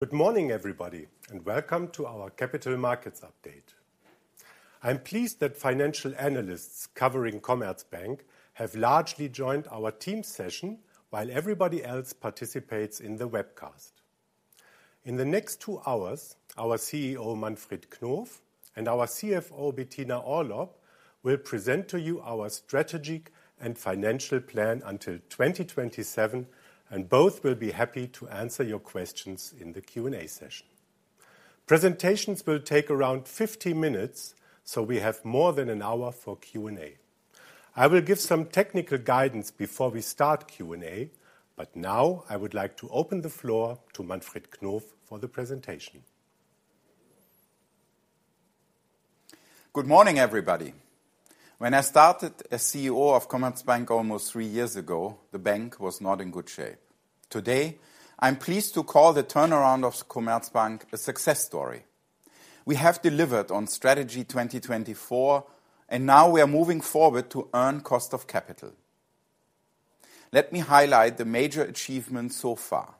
Good morning, everybody, and welcome to our capital markets update. I'm pleased that financial analysts covering Commerzbank have largely joined our team session, while everybody else participates in the webcast. In the next two hours, our CEO, Manfred Knof, and our CFO, Bettina Orlopp, will present to you our strategic and financial plan until 2027, and both will be happy to answer your questions in the Q&A session. Presentations will take around 50 minutes, so we have more than an hour for Q&A. I will give some technical guidance before we start Q&A, but now I would like to open the floor to Manfred Knof for the presentation. Good morning, everybody. When I started as CEO of Commerzbank almost three years ago, the bank was not in good shape. Today, I'm pleased to call the turnaround of Commerzbank a success story. We have delivered on Strategy 2024, and now we are moving forward to earn cost of capital. Let me highlight the major achievements so far.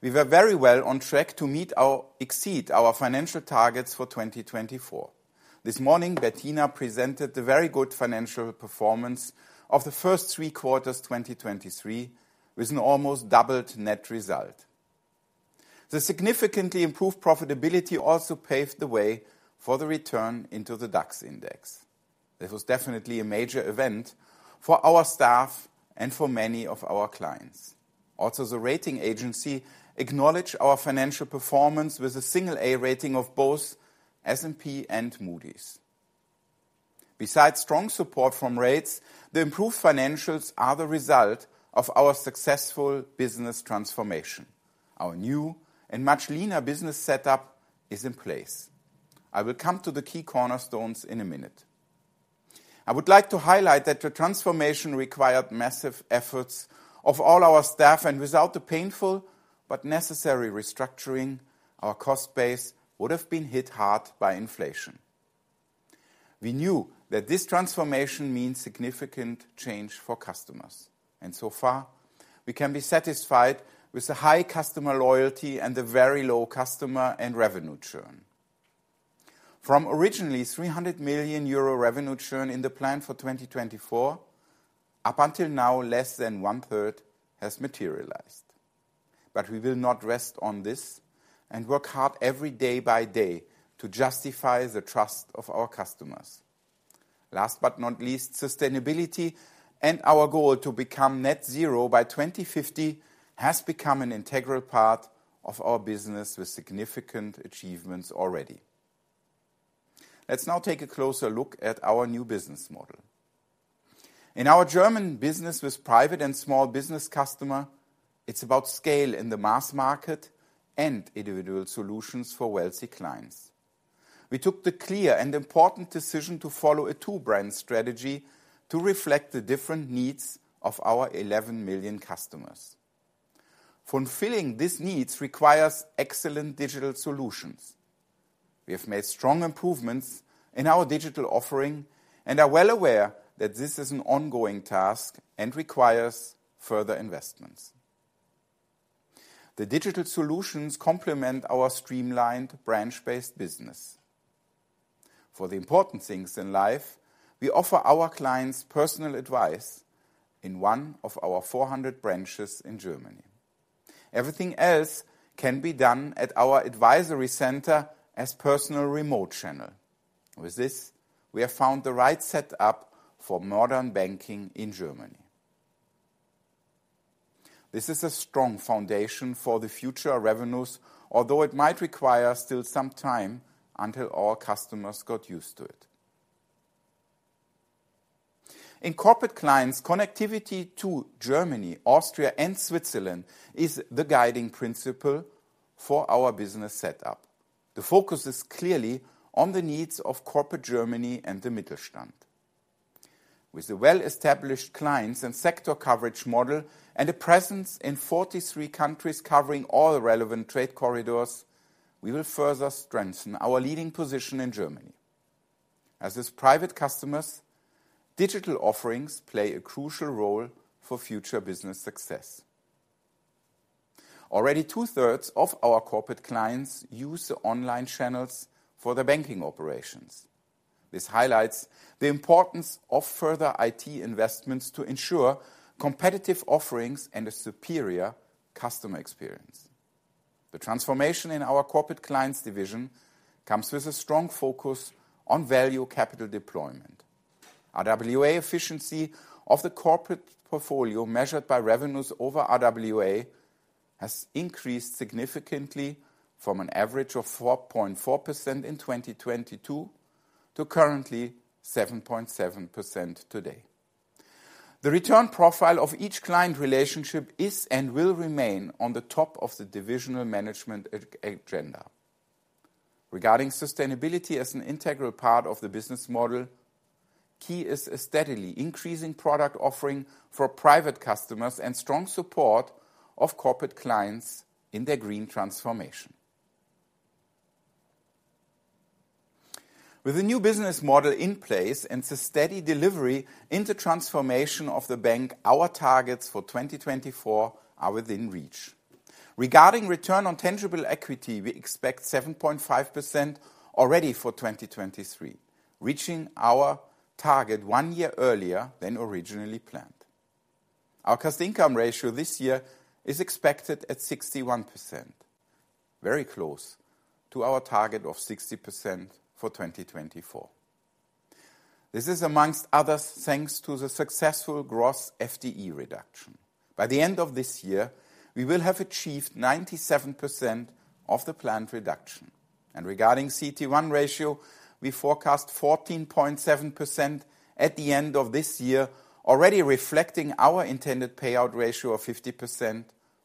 We were very well on track to exceed our financial targets for 2024. This morning, Bettina presented the very good financial performance of the first three quarters, 2023, with an almost doubled net result. The significantly improved profitability also paved the way for the return into the DAX index. This was definitely a major event for our staff and for many of our clients. Also, the rating agency acknowledged our financial performance with a single A rating of both S&P and Moody's. Besides strong support from rates, the improved financials are the result of our successful business transformation. Our new and much leaner business setup is in place. I will come to the key cornerstones in a minute. I would like to highlight that the transformation required massive efforts of all our staff, and without the painful but necessary restructuring, our cost base would have been hit hard by inflation. We knew that this transformation means significant change for customers, and so far, we can be satisfied with the high customer loyalty and the very low customer and revenue churn. From originally 300 million euro revenue churn in the plan for 2024, up until now, less than one-third has materialized. But we will not rest on this and work hard every day by day to justify the trust of our customers. Last but not least, sustainability and our goal to become net zero by 2050 has become an integral part of our business, with significant achievements already. Let's now take a closer look at our new business model. In our German business with Private and Small-Business Customers, it's about scale in the mass market and individual solutions for wealthy clients. We took the clear and important decision to follow a two-brand strategy to reflect the different needs of our 11 million customers. Fulfilling these needs requires excellent digital solutions. We have made strong improvements in our digital offering and are well aware that this is an ongoing task and requires further investments. The digital solutions complement our streamlined branch-based business. For the important things in life, we offer our clients personal advice in one of our 400 branches in Germany. Everything else can be done at our advisory center as personal remote channel. With this, we have found the right setup for modern banking in Germany. This is a strong foundation for the future revenues, although it might require still some time until all customers got used to it. In corporate clients, connectivity to Germany, Austria and Switzerland is the guiding principle for our business setup. The focus is clearly on the needs of corporate Germany and the Mittelstand. With a well-established clients and sector coverage model and a presence in 43 countries covering all relevant trade corridors, we will further strengthen our leading position in Germany. As with private customers, digital offerings play a crucial role for future business success. Already 2/3 of our corporate clients use the online channels for their banking operations. This highlights the importance of further IT investments to ensure competitive offerings and a superior customer experience. The transformation in our corporate clients division comes with a strong focus on value capital deployment. RWA efficiency of the corporate portfolio, measured by revenues over RWA, has increased significantly from an average of 4.4% in 2022 to currently 7.7% today. The return profile of each client relationship is and will remain on the top of the divisional management agenda. Regarding sustainability as an integral part of the business model, key is a steadily increasing product offering for private customers and strong support of corporate clients in their green transformation. With a new business model in place and the steady delivery in the transformation of the bank, our targets for 2024 are within reach. Regarding return on tangible equity, we expect 7.5% already for 2023, reaching our target one year earlier than originally planned. Our cost-income ratio this year is expected at 61%, very close to our target of 60% for 2024. This is, among others, thanks to the successful gross FTE reduction. By the end of this year, we will have achieved 97% of the planned reduction. Regarding CET1 ratio, we forecast 14.7% at the end of this year, already reflecting our intended payout ratio of 50%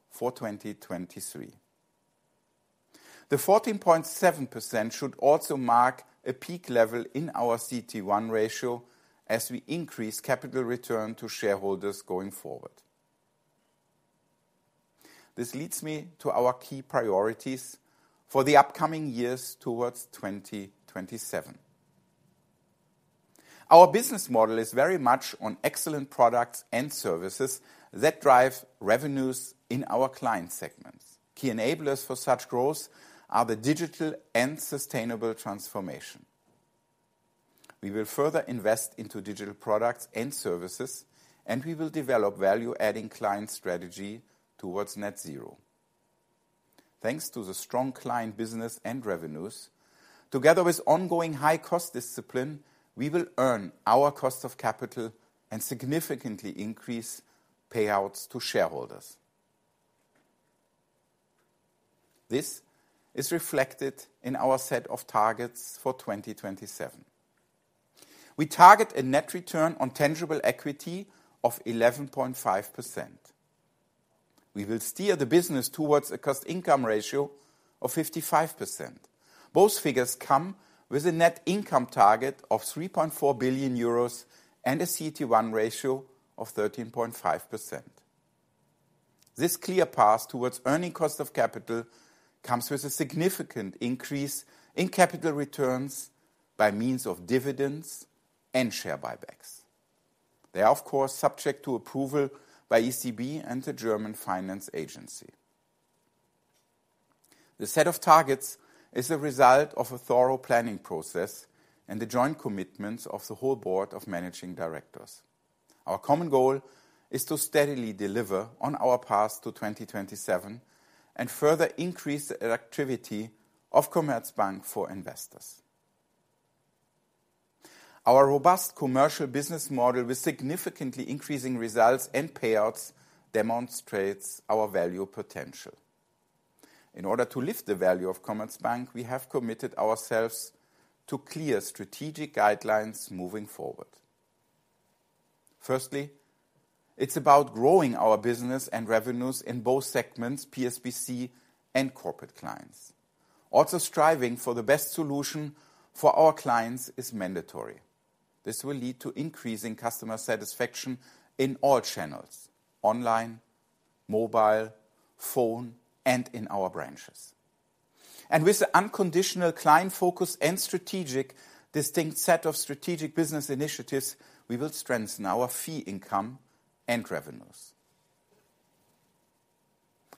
for 2023. The 14.7% should also mark a peak level in our CET1 ratio as we increase capital return to shareholders going forward. This leads me to our key priorities for the upcoming years towards 2027. Our business model is very much on excellent products and services that drive revenues in our client segments. Key enablers for such growth are the digital and sustainable transformation. We will further invest into digital products and services, and we will develop value-adding client strategy towards net zero. Thanks to the strong client business and revenues, together with ongoing high-cost discipline, we will earn our cost of capital and significantly increase payouts to shareholders. This is reflected in our set of targets for 2027. We target a net return on tangible equity of 11.5%. We will steer the business towards a cost income ratio of 55%. Both figures come with a net income target of 3.4 billion euros and a CET1 ratio of 13.5%. This clear path towards earning cost of capital comes with a significant increase in capital returns by means of dividends and share buybacks. They are, of course, subject to approval by ECB and the German Finance Agency. The set of targets is a result of a thorough planning process and the joint commitments of the whole board of managing directors. Our common goal is to steadily deliver on our path to 2027 and further increase the activity of Commerzbank for investors. Our robust commercial business model, with significantly increasing results and payouts, demonstrates our value potential. In order to lift the value of Commerzbank, we have committed ourselves to clear strategic guidelines moving forward. Firstly, it's about growing our business and revenues in both segments, PSBC and corporate clients. Also, striving for the best solution for our clients is mandatory. This will lead to increasing customer satisfaction in all channels: online, mobile, phone, and in our branches. And with the unconditional client focus and strategic, distinct set of strategic business initiatives, we will strengthen our fee income and revenues.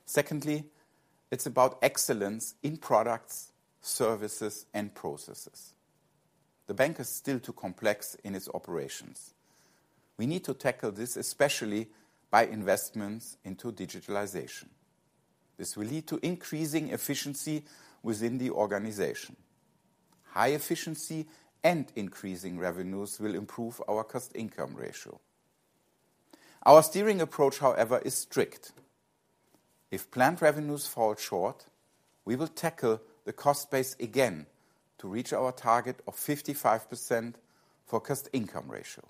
Secondly, it's about excellence in products, services, and processes. The bank is still too complex in its operations. We need to tackle this, especially by investments into digitalization. This will lead to increasing efficiency within the organization. High efficiency and increasing revenues will improve our cost-income ratio. Our steering approach, however, is strict. If planned revenues fall short, we will tackle the cost base again to reach our target of 55% for cost-income ratio.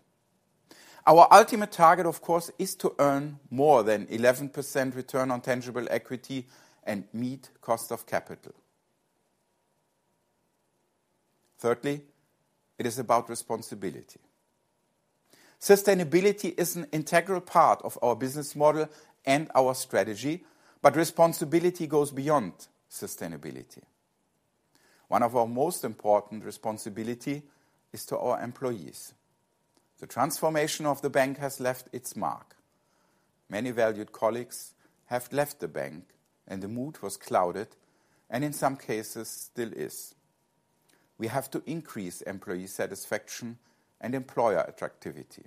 Our ultimate target, of course, is to earn more than 11% return on tangible equity and meet cost of capital. Thirdly, it is about responsibility. Sustainability is an integral part of our business model and our strategy, but responsibility goes beyond sustainability. One of our most important responsibility is to our employees. The transformation of the bank has left its mark. Many valued colleagues have left the bank, and the mood was clouded, and in some cases still is. We have to increase employee satisfaction and employer activity.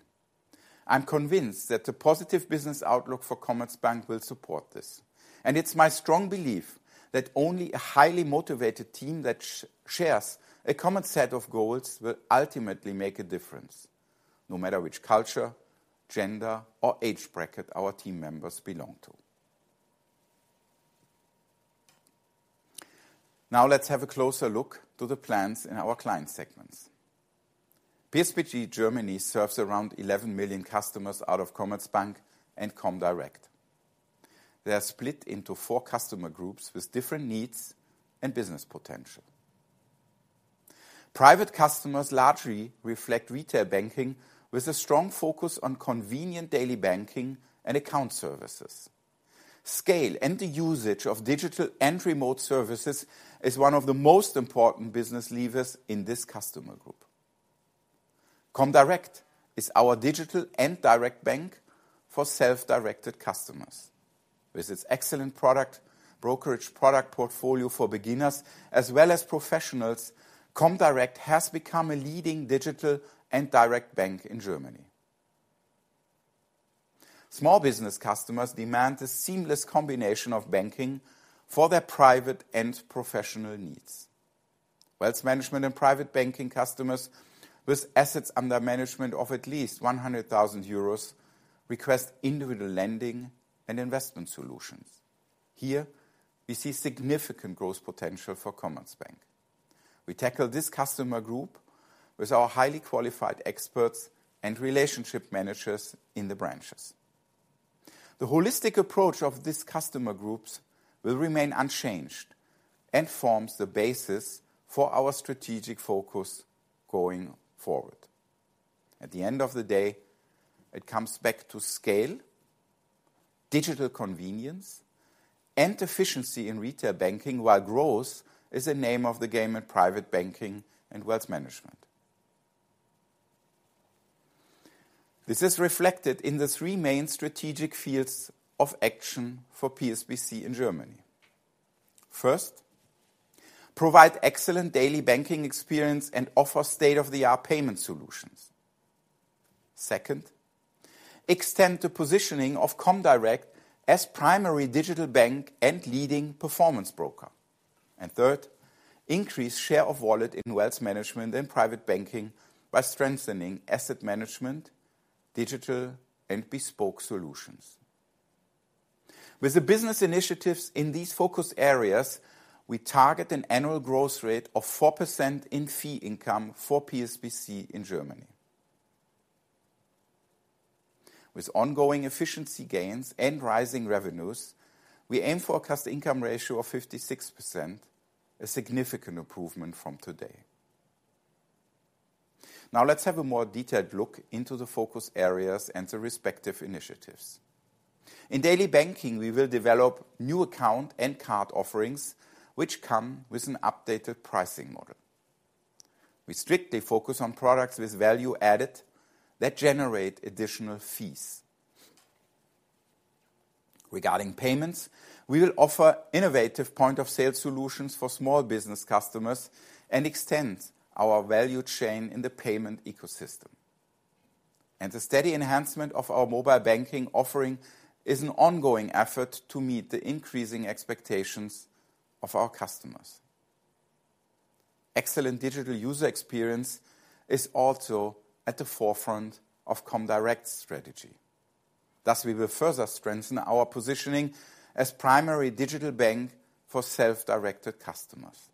I'm convinced that the positive business outlook for Commerzbank will support this, and it's my strong belief that only a highly motivated team that shares a common set of goals will ultimately make a difference, no matter which culture, gender, or age bracket our team members belong to. Now let's have a closer look to the plans in our client segments. PSBC Germany serves around 11 million customers out of Commerzbank and comdirect. They are split into four customer groups with different needs and business potential. Private customers largely reflect retail banking, with a strong focus on convenient daily banking and account services... Scale and the usage of digital and remote services is one of the most important business levers in this customer group. comdirect is our digital and direct bank for self-directed customers. With its excellent product, brokerage product portfolio for beginners, as well as professionals, comdirect has become a leading digital and direct bank in Germany. Small business customers demand a seamless combination of banking for their private and professional needs. Wealth management and private banking customers with assets under management of at least 100,000 euros request individual lending and investment solutions. Here, we see significant growth potential for Commerzbank. We tackle this customer group with our highly qualified experts and relationship managers in the branches. The holistic approach of these customer groups will remain unchanged and forms the basis for our strategic focus going forward. At the end of the day, it comes back to scale, digital convenience, and efficiency in retail banking, while growth is the name of the game in private banking and wealth management. This is reflected in the three main strategic fields of action for PSBC in Germany. First, provide excellent daily banking experience and offer state-of-the-art payment solutions. Second, extend the positioning of comdirect as primary digital bank and leading performance broker. And third, increase share of wallet in wealth management and private banking by strengthening asset management, digital, and bespoke solutions. With the business initiatives in these focus areas, we target an annual growth rate of 4% in fee income for PSBC in Germany. With ongoing efficiency gains and rising revenues, we aim for a cost-income ratio of 56%, a significant improvement from today. Now, let's have a more detailed look into the focus areas and the respective initiatives. In daily banking, we will develop new account and card offerings, which come with an updated pricing model. We strictly focus on products with value added that generate additional fees. Regarding payments, we will offer innovative point-of-sale solutions for small business customers and extend our value chain in the payment ecosystem. The steady enhancement of our mobile banking offering is an ongoing effort to meet the increasing expectations of our customers. Excellent digital user experience is also at the forefront of comdirect's strategy. Thus, we will further strengthen our positioning as primary digital bank for self-directed customers.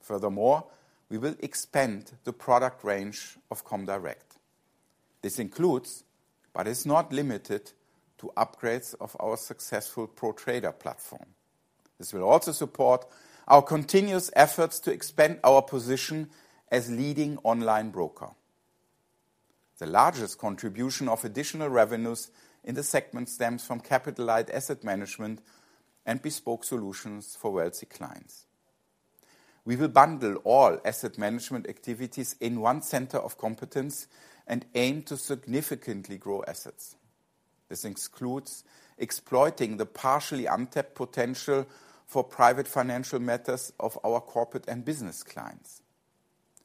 Furthermore, we will expand the product range of comdirect. This includes, but is not limited to, upgrades of our successful ProTrader platform. This will also support our continuous efforts to expand our position as leading online broker. The largest contribution of additional revenues in the segment stems from capitalized asset management and bespoke solutions for wealthy clients. We will bundle all asset management activities in one center of competence and aim to significantly grow assets. This includes exploiting the partially untapped potential for private financial matters of our corporate and business clients.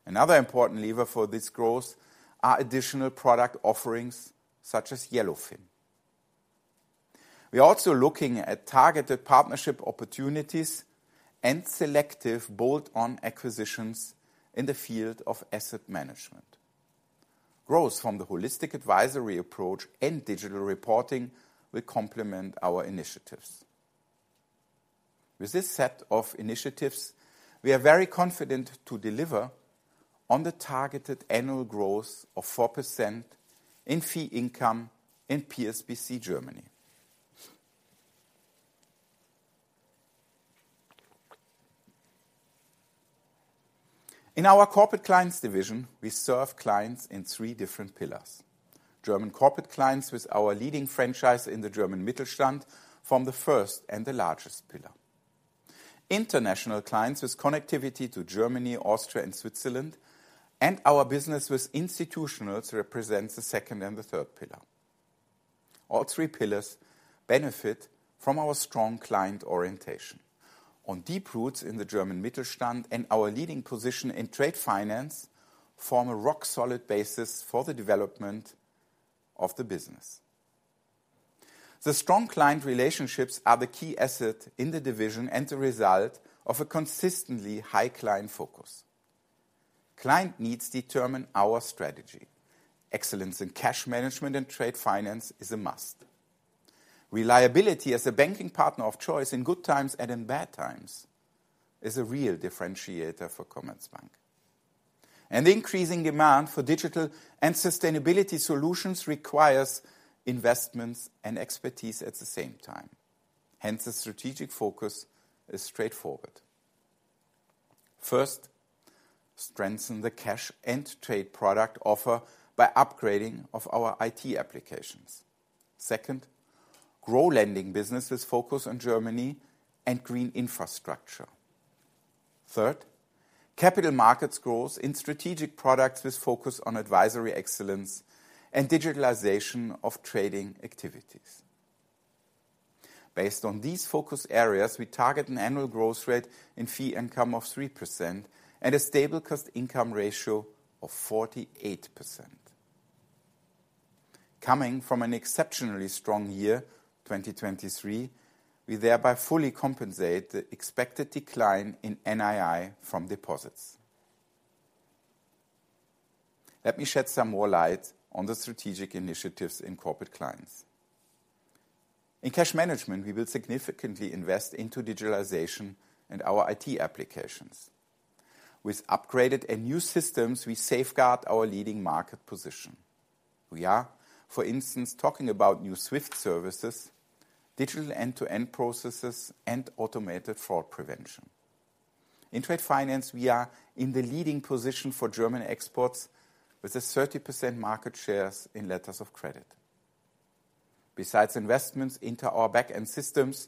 Another important lever for this growth are additional product offerings, such as Yellowfin. We are also looking at targeted partnership opportunities and selective bolt-on acquisitions in the field of asset management. Growth from the holistic advisory approach and digital reporting will complement our initiatives. With this set of initiatives, we are very confident to deliver on the targeted annual growth of 4% in fee income in PSBC Germany. In our corporate clients division, we serve clients in three different pillars. German corporate clients, with our leading franchise in the German Mittelstand, form the first and the largest pillar. International clients, with connectivity to Germany, Austria and Switzerland, and our business with institutionals, represents the second and the third pillar. All three pillars benefit from our strong client orientation. Our deep roots in the German Mittelstand and our leading position in trade finance form a rock-solid basis for the development of the business. The strong client relationships are the key asset in the division and the result of a consistently high client focus. Client needs determine our strategy. Excellence in cash management and trade finance is a must. Reliability as a banking partner of choice in good times and in bad times is a real differentiator for Commerzbank. Increasing demand for digital and sustainability solutions requires investments and expertise at the same time. Hence, the strategic focus is straightforward. First, strengthen the cash and trade product offer by upgrading of our IT applications. Second, grow lending business with focus on Germany and green infrastructure. Third, capital markets growth in strategic products with focus on advisory excellence and digitalization of trading activities. Based on these focus areas, we target an annual growth rate in fee income of 3% and a stable cost income ratio of 48%. Coming from an exceptionally strong year, 2023, we thereby fully compensate the expected decline in NII from deposits. Let me shed some more light on the strategic initiatives in corporate clients. In cash management, we will significantly invest into digitalization and our IT applications. With upgraded and new systems, we safeguard our leading market position. We are, for instance, talking about new SWIFT services, digital end-to-end processes, and automated fraud prevention. In trade finance, we are in the leading position for German exports, with a 30% market share in Letters of Credit. Besides investments into our back-end systems,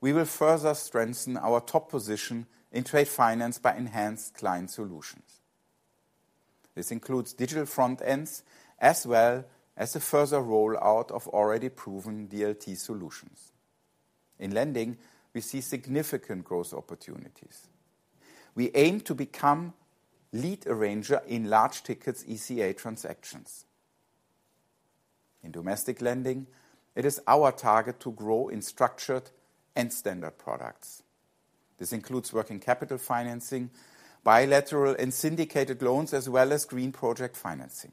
we will further strengthen our top position in trade finance by enhanced client solutions. This includes digital front ends, as well as a further rollout of already proven DLT solutions. In lending, we see significant growth opportunities. We aim to become lead arranger in large-ticket ECA transactions. In domestic lending, it is our target to grow in structured and standard products. This includes working capital financing, bilateral and syndicated loans, as well as green project financing.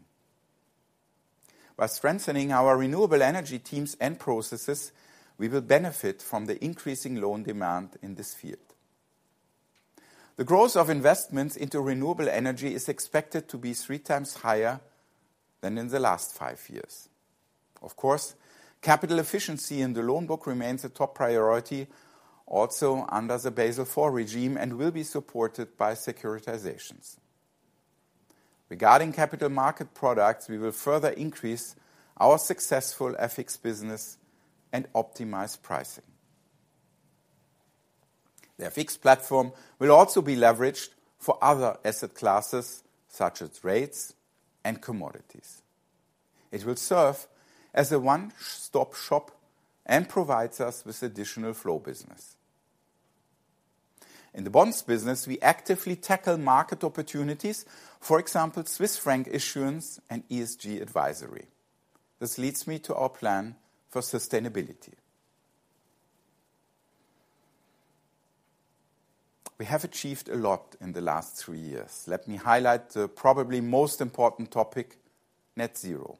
By strengthening our renewable energy teams and processes, we will benefit from the increasing loan demand in this field. The growth of investments into renewable energy is expected to be 3x higher than in the last five years. Of course, capital efficiency in the loan book remains a top priority, also under the Basel IV regime, and will be supported by securitizations. Regarding capital market products, we will further increase our successful FX business and optimize pricing. The FX platform will also be leveraged for other asset classes, such as rates and commodities. It will serve as a one-stop shop and provides us with additional flow business. In the bonds business, we actively tackle market opportunities, for example, Swiss franc issuance and ESG advisory. This leads me to our plan for sustainability. We have achieved a lot in the last three years. Let me highlight the probably most important topic: net zero.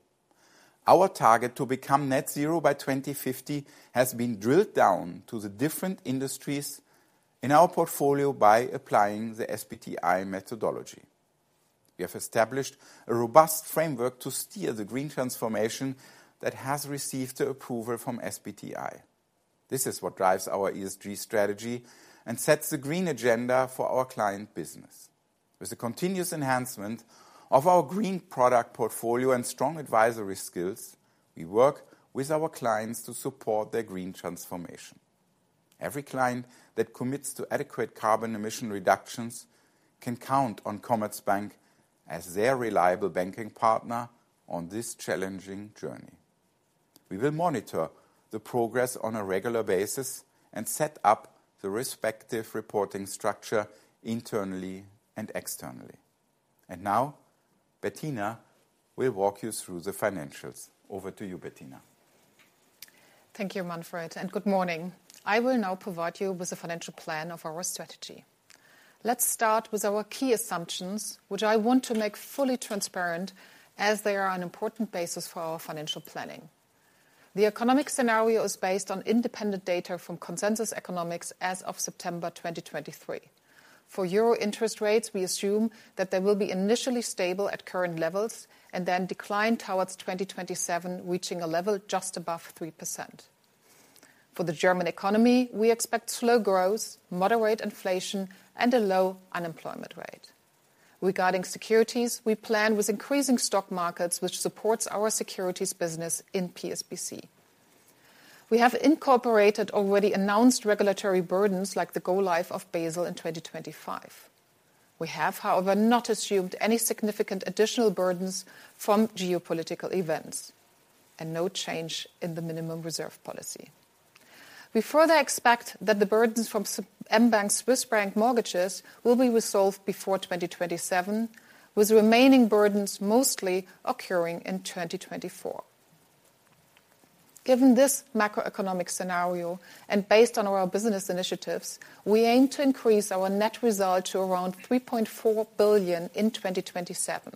Our target to become net zero by 2050 has been drilled down to the different industries in our portfolio by applying the SBTi methodology. We have established a robust framework to steer the green transformation that has received the approval from SBTi. This is what drives our ESG strategy and sets the green agenda for our client business. With the continuous enhancement of our green product portfolio and strong advisory skills, we work with our clients to support their green transformation. Every client that commits to adequate carbon emission reductions can count on Commerzbank as their reliable banking partner on this challenging journey. We will monitor the progress on a regular basis and set up the respective reporting structure internally and externally. And now, Bettina will walk you through the financials. Over to you, Bettina. Thank you, Manfred, and good morning. I will now provide you with the financial plan of our strategy. Let's start with our key assumptions, which I want to make fully transparent, as they are an important basis for our financial planning. The economic scenario is based on independent data from Consensus Economics as of September 2023. For euro interest rates, we assume that they will be initially stable at current levels and then decline towards 2027, reaching a level just above 3%. For the German economy, we expect slow growth, moderate inflation, and a low unemployment rate. Regarding securities, we plan with increasing stock markets, which supports our securities business in PSBC. We have incorporated already announced regulatory burdens like the go live of Basel in 2025. We have, however, not assumed any significant additional burdens from geopolitical events, and no change in the minimum reserve policy. We further expect that the burdens from mBank Swiss franc mortgages will be resolved before 2027, with remaining burdens mostly occurring in 2024. Given this macroeconomic scenario, and based on our business initiatives, we aim to increase our net result to around 3.4 billion in 2027.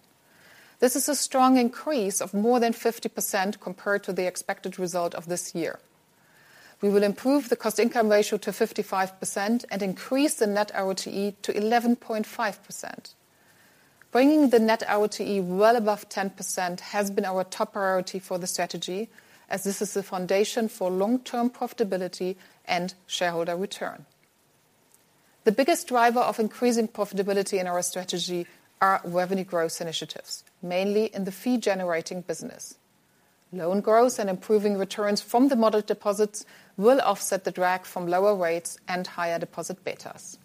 This is a strong increase of more than 50% compared to the expected result of this year. We will improve the cost-income ratio to 55% and increase the net RoTE to 11.5%.... Bringing the net RoTE well above 10% has been our top priority for the strategy, as this is the foundation for long-term profitability and shareholder return. The biggest driver of increasing profitability in our strategy are revenue growth initiatives, mainly in the fee-generating business. Loan growth and improving returns from the model deposits will offset the drag from lower rates and higher deposit betas.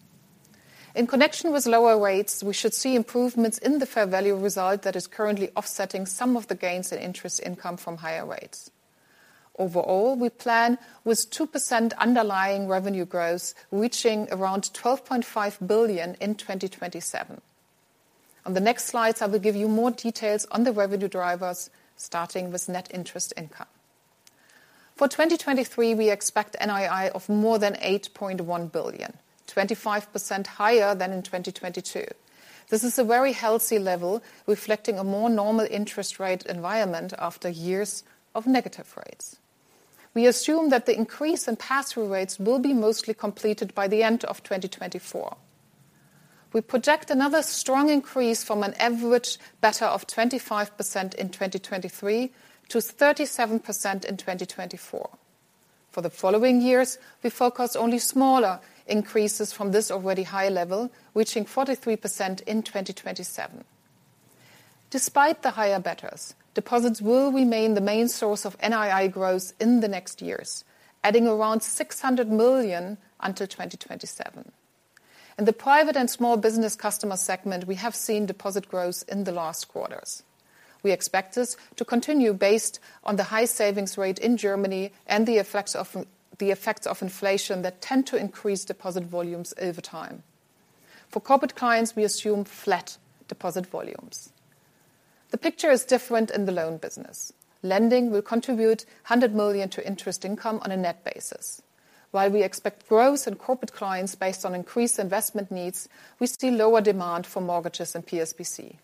In connection with lower rates, we should see improvements in the fair value result that is currently offsetting some of the gains in interest income from higher rates. Overall, we plan with 2% underlying revenue growth, reaching around 12.5 billion in 2027. On the next slides, I will give you more details on the revenue drivers, starting with net interest income. For 2023, we expect NII of more than 8.1 billion, 25% higher than in 2022. This is a very healthy level, reflecting a more normal interest rate environment after years of negative rates. We assume that the increase in pass-through rates will be mostly completed by the end of 2024. We project another strong increase from an average beta of 25% in 2023 to 37% in 2024. For the following years, we forecast only smaller increases from this already high level, reaching 43% in 2027. Despite the higher betas, deposits will remain the main source of NII growth in the next years, adding around 600 million until 2027. In the Private and Small-Business Customers segment, we have seen deposit growth in the last quarters. We expect this to continue based on the high savings rate in Germany and the effects of inflation that tend to increase deposit volumes over time. For corporate clients, we assume flat deposit volumes. The picture is different in the loan business. Lending will contribute 100 million to interest income on a net basis. While we expect growth in corporate clients based on increased investment needs, we see lower demand for mortgages in PSBC.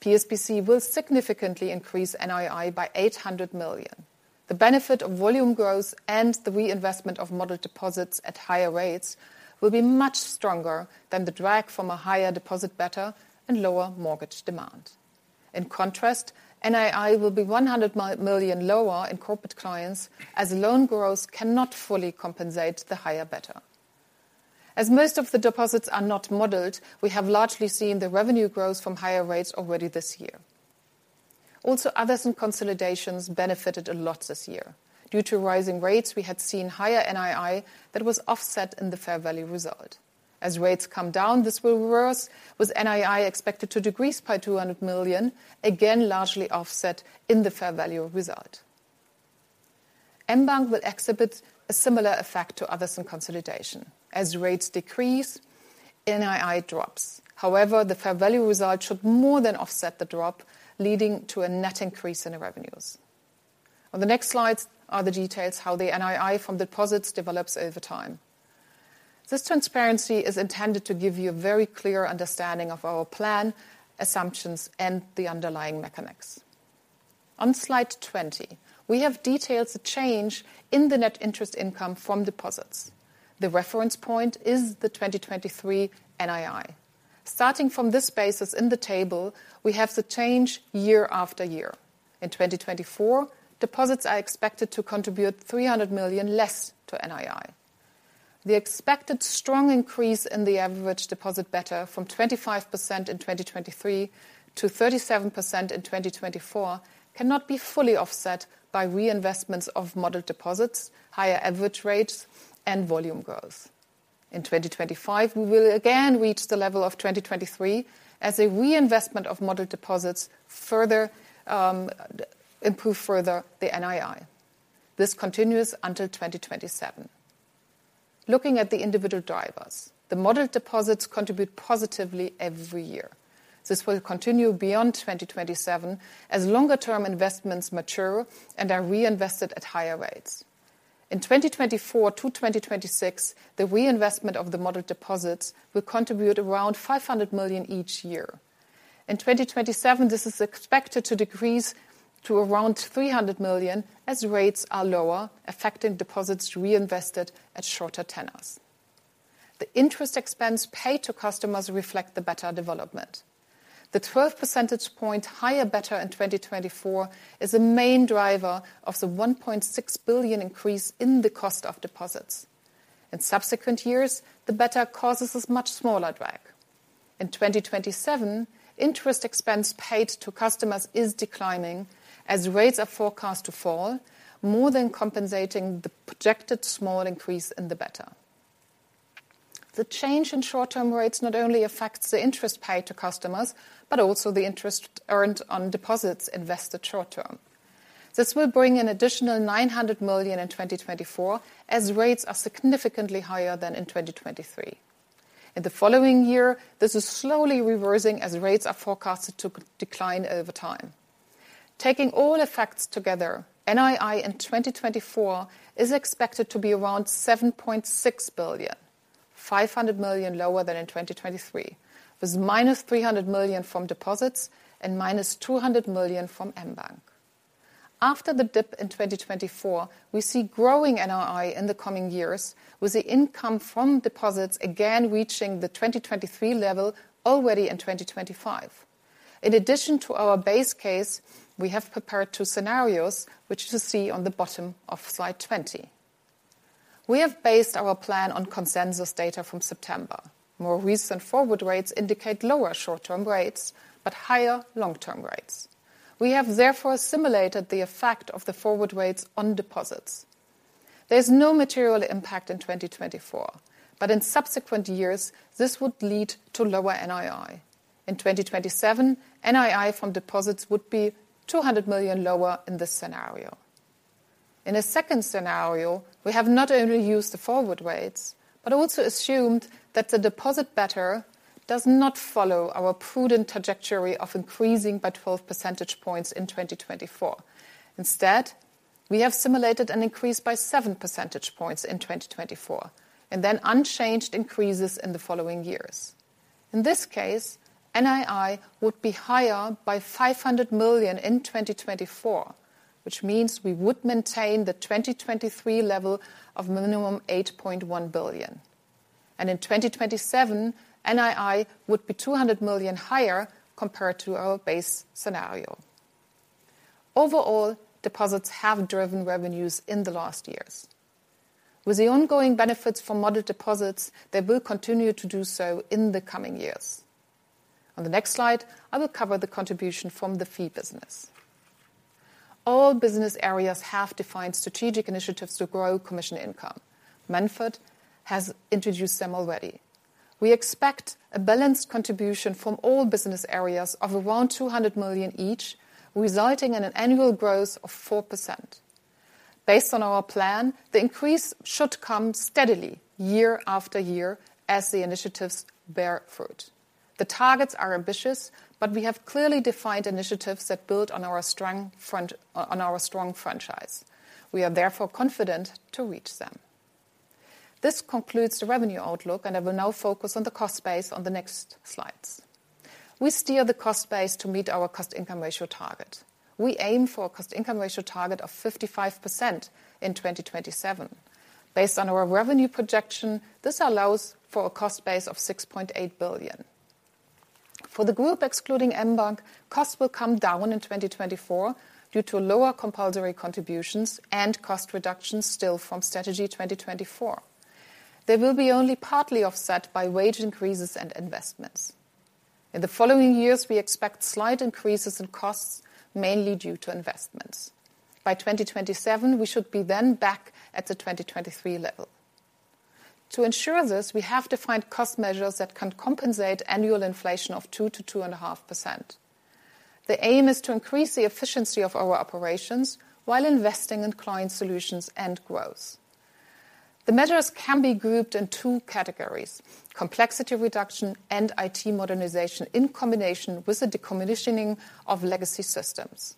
PSBC will significantly increase NII by 800 million. The benefit of volume growth and the reinvestment of modeled deposits at higher rates will be much stronger than the drag from a higher deposit beta and lower mortgage demand. In contrast, NII will be 100 million lower in corporate clients, as loan growth cannot fully compensate the higher beta. As most of the deposits are not modeled, we have largely seen the revenue growth from higher rates already this year. Also, others and consolidations benefited a lot this year. Due to rising rates, we had seen higher NII that was offset in the fair value result. As rates come down, this will reverse, with NII expected to decrease by 200 million, again, largely offset in the fair value result. mBank will exhibit a similar effect to others and consolidation. As rates decrease, NII drops. However, the fair value result should more than offset the drop, leading to a net increase in the revenues. On the next slides are the details how the NII from deposits develops over time. This transparency is intended to give you a very clear understanding of our plan, assumptions, and the underlying mechanics. On slide 20, we have detailed the change in the net interest income from deposits. The reference point is the 2023 NII. Starting from this basis in the table, we have the change year-after-year. In 2024, deposits are expected to contribute 300 million less to NII. The expected strong increase in the average deposit beta from 25% in 2023 to 37% in 2024 cannot be fully offset by reinvestments of modeled deposits, higher average rates, and volume growth. In 2025, we will again reach the level of 2023, as a reinvestment of modeled deposits further improve further the NII. This continues until 2027. Looking at the individual drivers, the modeled deposits contribute positively every year. This will continue beyond 2027 as longer-term investments mature and are reinvested at higher rates. In 2024-2026, the reinvestment of the modeled deposits will contribute around 500 million each year. In 2027, this is expected to decrease to around 300 million, as rates are lower, affecting deposits reinvested at shorter tenors. The interest expense paid to customers reflect the better development. The 12 percentage point higher beta in 2024 is a main driver of the 1.6 billion increase in the cost of deposits. In subsequent years, the beta causes a much smaller drag. In 2027, interest expense paid to customers is declining, as rates are forecast to fall, more than compensating the projected small increase in the beta. The change in short-term rates not only affects the interest paid to customers, but also the interest earned on deposits invested short term. This will bring an additional 900 million in 2024, as rates are significantly higher than in 2023. In the following year, this is slowly reversing as rates are forecasted to decline over time. Taking all effects together, NII in 2024 is expected to be around 7.6 billion, 500 million lower than in 2023, with minus 300 million from deposits and minus 200 million from mBank. After the dip in 2024, we see growing NII in the coming years, with the income from deposits again reaching the 2023 level already in 2025. In addition to our base case, we have prepared two scenarios, which you see on the bottom of slide 20. We have based our plan on consensus data from September. More recent forward rates indicate lower short-term rates, but higher long-term rates. We have therefore assimilated the effect of the forward rates on deposits. There's no material impact in 2024, but in subsequent years, this would lead to lower NII. In 2027, NII from deposits would be 200 million lower in this scenario. In a second scenario, we have not only used the forward rates, but also assumed that the deposit beta does not follow our prudent trajectory of increasing by 12 percentage points in 2024. Instead, we have simulated an increase by 7 percentage points in 2024, and then unchanged increases in the following years. In this case, NII would be higher by 500 million in 2024, which means we would maintain the 2023 level of minimum 8.1 billion. In 2027, NII would be 200 million higher compared to our base scenario. Overall, deposits have driven revenues in the last years. With the ongoing benefits from model deposits, they will continue to do so in the coming years. On the next slide, I will cover the contribution from the fee business. All business areas have defined strategic initiatives to grow commission income. Manfred has introduced them already. We expect a balanced contribution from all business areas of around 200 million each, resulting in an annual growth of 4%. Based on our plan, the increase should come steadily, year after year, as the initiatives bear fruit. The targets are ambitious, but we have clearly defined initiatives that build on our strong franchise. We are therefore confident to reach them. This concludes the revenue outlook, and I will now focus on the cost base on the next slides. We steer the cost base to meet our cost-income ratio target. We aim for a cost-income ratio target of 55% in 2027. Based on our revenue projection, this allows for a cost base of 6.8 billion. For the group excluding mBank, costs will come down in 2024 due to lower compulsory contributions and cost reductions still from Strategy 2024. They will be only partly offset by wage increases and investments. In the following years, we expect slight increases in costs, mainly due to investments. By 2027, we should be then back at the 2023 level. To ensure this, we have to find cost measures that can compensate annual inflation of 2%-2.5%. The aim is to increase the efficiency of our operations while investing in client solutions and growth. The measures can be grouped in two categories: complexity reduction and IT modernization in combination with the decommissioning of legacy systems.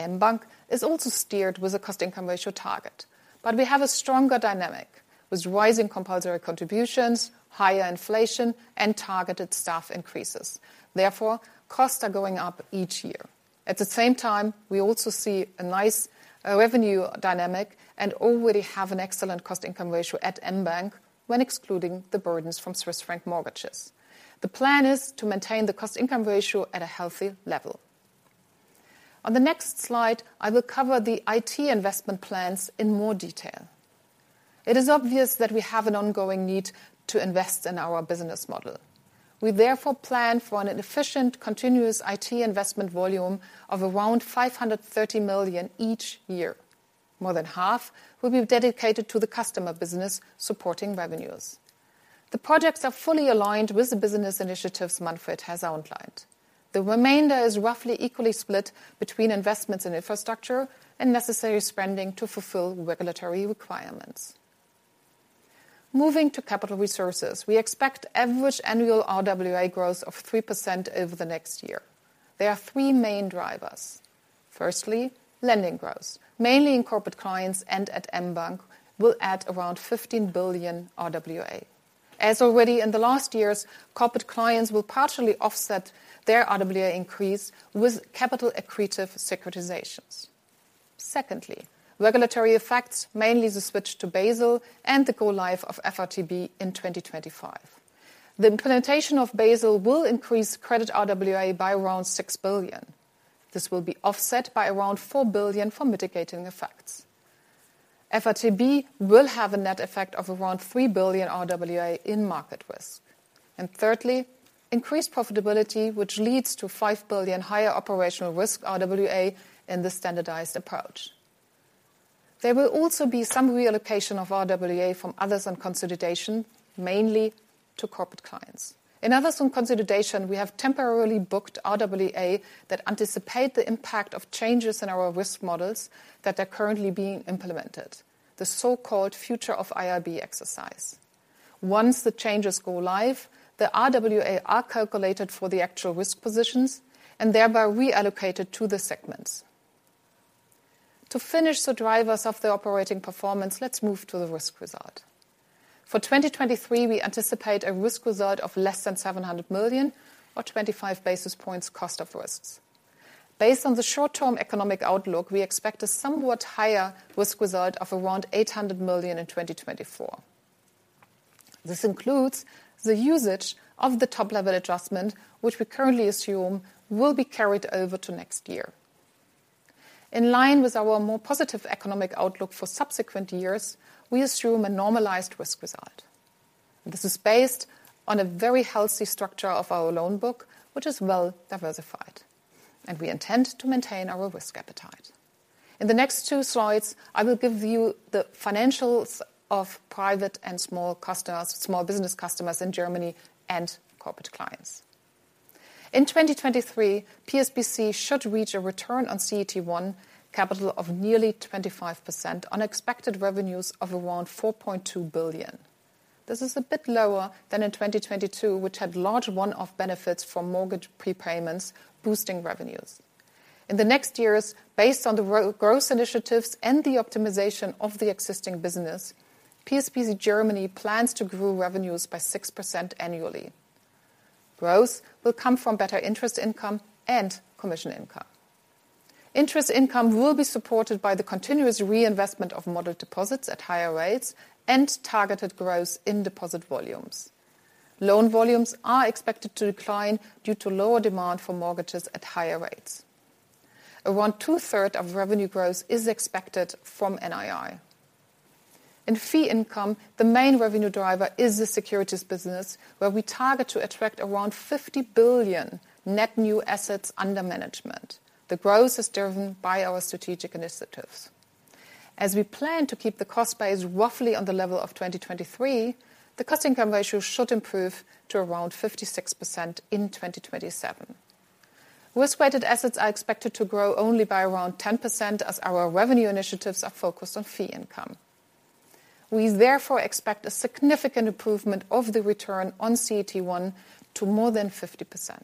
mBank is also steered with a cost-income ratio target, but we have a stronger dynamic, with rising compulsory contributions, higher inflation, and targeted staff increases. Therefore, costs are going up each year. At the same time, we also see a nice revenue dynamic and already have an excellent cost-income ratio at mBank when excluding the burdens from Swiss franc mortgages. The plan is to maintain the cost-income ratio at a healthy level. On the next slide, I will cover the IT investment plans in more detail. It is obvious that we have an ongoing need to invest in our business model. We therefore plan for an efficient, continuous IT investment volume of around 530 million each year. More than half will be dedicated to the customer business supporting revenues. The projects are fully aligned with the business initiatives Manfred has outlined. The remainder is roughly equally split between investments in infrastructure and necessary spending to fulfill regulatory requirements. Moving to capital resources, we expect average annual RWA growth of 3% over the next year. There are three main drivers. Firstly, lending growth, mainly in corporate clients and at mBank, will add around 15 billion RWA. As already in the last years, corporate clients will partially offset their RWA increase with capital accretive securitizations. Secondly, regulatory effects, mainly the switch to Basel and the go live of FRTB in 2025. The implementation of Basel will increase credit RWA by around 6 billion. This will be offset by around 4 billion from mitigating effects. FRTB will have a net effect of around 3 billion RWA in market risk. And thirdly, increased profitability, which leads to 5 billion higher operational risk RWA in the standardized approach. There will also be some reallocation of RWA from others and consolidation, mainly to corporate clients. In others and consolidation, we have temporarily booked RWA that anticipate the impact of changes in our risk models that are currently being implemented, the so-called future of IRB exercise. Once the changes go live, the RWA are calculated for the actual risk positions and thereby reallocated to the segments. To finish the drivers of the operating performance, let's move to the risk result. For 2023, we anticipate a risk result of less than 700 million or 25 basis points cost of risks. Based on the short-term economic outlook, we expect a somewhat higher risk result of around 800 million in 2024. This includes the usage of the top-level adjustment, which we currently assume will be carried over to next year. In line with our more positive economic outlook for subsequent years, we assume a normalized risk result. This is based on a very healthy structure of our loan book, which is well diversified, and we intend to maintain our risk appetite. In the next two slides, I will give you the financials of private and small customers—small business customers in Germany and corporate clients. In 2023, PSBC should reach a return on CET1 capital of nearly 25% on expected revenues of around 4.2 billion. This is a bit lower than in 2022, which had large one-off benefits from mortgage prepayments, boosting revenues. In the next years, based on the growth initiatives and the optimization of the existing business, PSBC Germany plans to grow revenues by 6% annually. Growth will come from better interest income and commission income. Interest income will be supported by the continuous reinvestment of model deposits at higher rates and targeted growth in deposit volumes. Loan volumes are expected to decline due to lower demand for mortgages at higher rates. Around two-thirds of revenue growth is expected from NII. In fee income, the main revenue driver is the securities business, where we target to attract around 50 billion net new assets under management. The growth is driven by our strategic initiatives. As we plan to keep the cost base roughly on the level of 2023, the cost income ratio should improve to around 56% in 2027. Risk-weighted assets are expected to grow only by around 10%, as our revenue initiatives are focused on fee income. We therefore expect a significant improvement of the return on CET1 to more than 50%.